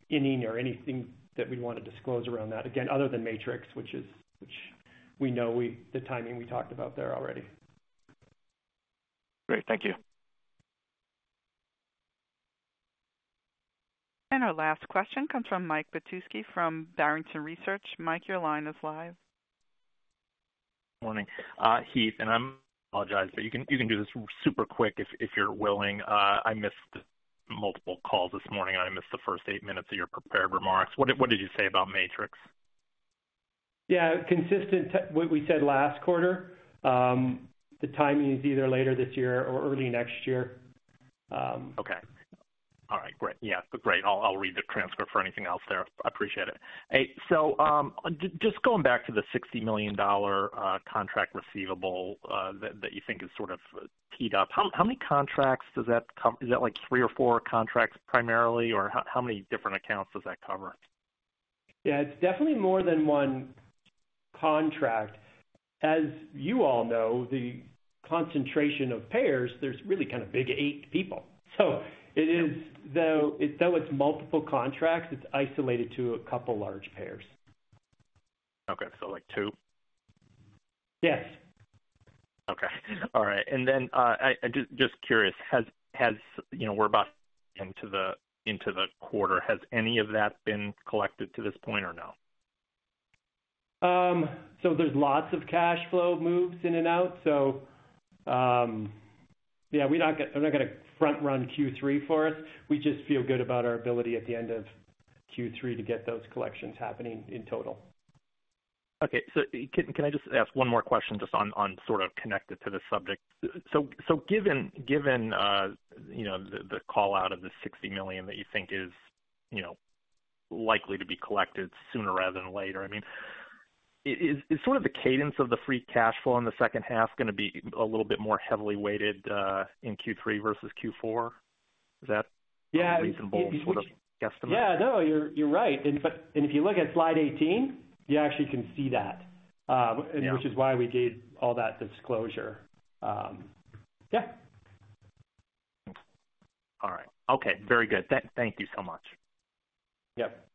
inning or anything that we'd want to disclose around that, again, other than Matrix, which we know the timing we talked about there already. Great. Thank you. Our last question comes from Mike Petusky from Barrington Research. Mike, your line is live. Morning, Heath, and I apologize, but you can do this super quick if you're willing. I missed multiple calls this morning. I missed the first eight minutes of your prepared remarks. What did you say about Matrix? Yeah, consistent what we said last quarter. The timing is either later this year or early next year. Okay. All right, great. Yeah, great. I'll read the transcript for anything else there. I appreciate it. Hey, so, just going back to the $60 million contract receivable that you think is sort of teed up. How many contracts does that cover? Is that like three or four contracts primarily, or how many different accounts does that cover? Yeah, it's definitely more than one contract. As you all know, the concentration of payers, there's really kind of big eight people. So it is, though, though it's multiple contracts, it's isolated to a couple large payers. Okay, so like 2? Yes. Okay. All right. And then, I just curious, has... You know, we're about into the quarter. Has any of that been collected to this point or no? So there's lots of cash flow moves in and out. So, yeah, we're not gonna, we're not gonna front-run Q3 for us. We just feel good about our ability at the end of Q3 to get those collections happening in total. Okay. So can I just ask one more question just on sort of connected to this subject? So given, you know, the call out of the $60 million that you think is, you know, likely to be collected sooner rather than later, I mean, is sort of the cadence of the free cash flow in the second half going to be a little bit more heavily weighted in Q3 versus Q4? Is that Yeah. a reasonable sort of guesstimate? Yeah, no, you're right. But if you look at slide 18, you actually can see that. Yeah. -which is why we gave all that disclosure. Yeah. All right. Okay, very good. Thank you so much. Yep.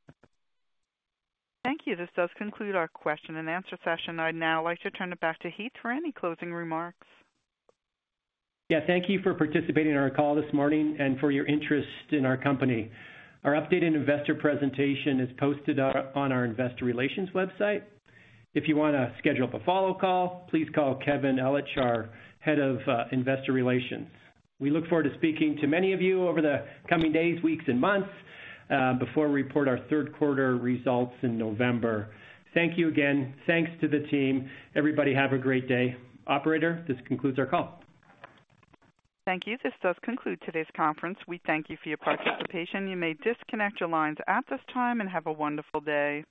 Thank you. This does conclude our question and answer session. I'd now like to turn it back to Heath for any closing remarks. Yeah, thank you for participating in our call this morning and for your interest in our company. Our updated investor presentation is posted on our investor relations website. If you want to schedule up a follow call, please call Kevin Ellich, our head of investor relations. We look forward to speaking to many of you over the coming days, weeks, and months before we report our third quarter results in November. Thank you again. Thanks to the team. Everybody, have a great day. Operator, this concludes our call. Thank you. This does conclude today's conference. We thank you for your participation. You may disconnect your lines at this time and have a wonderful day.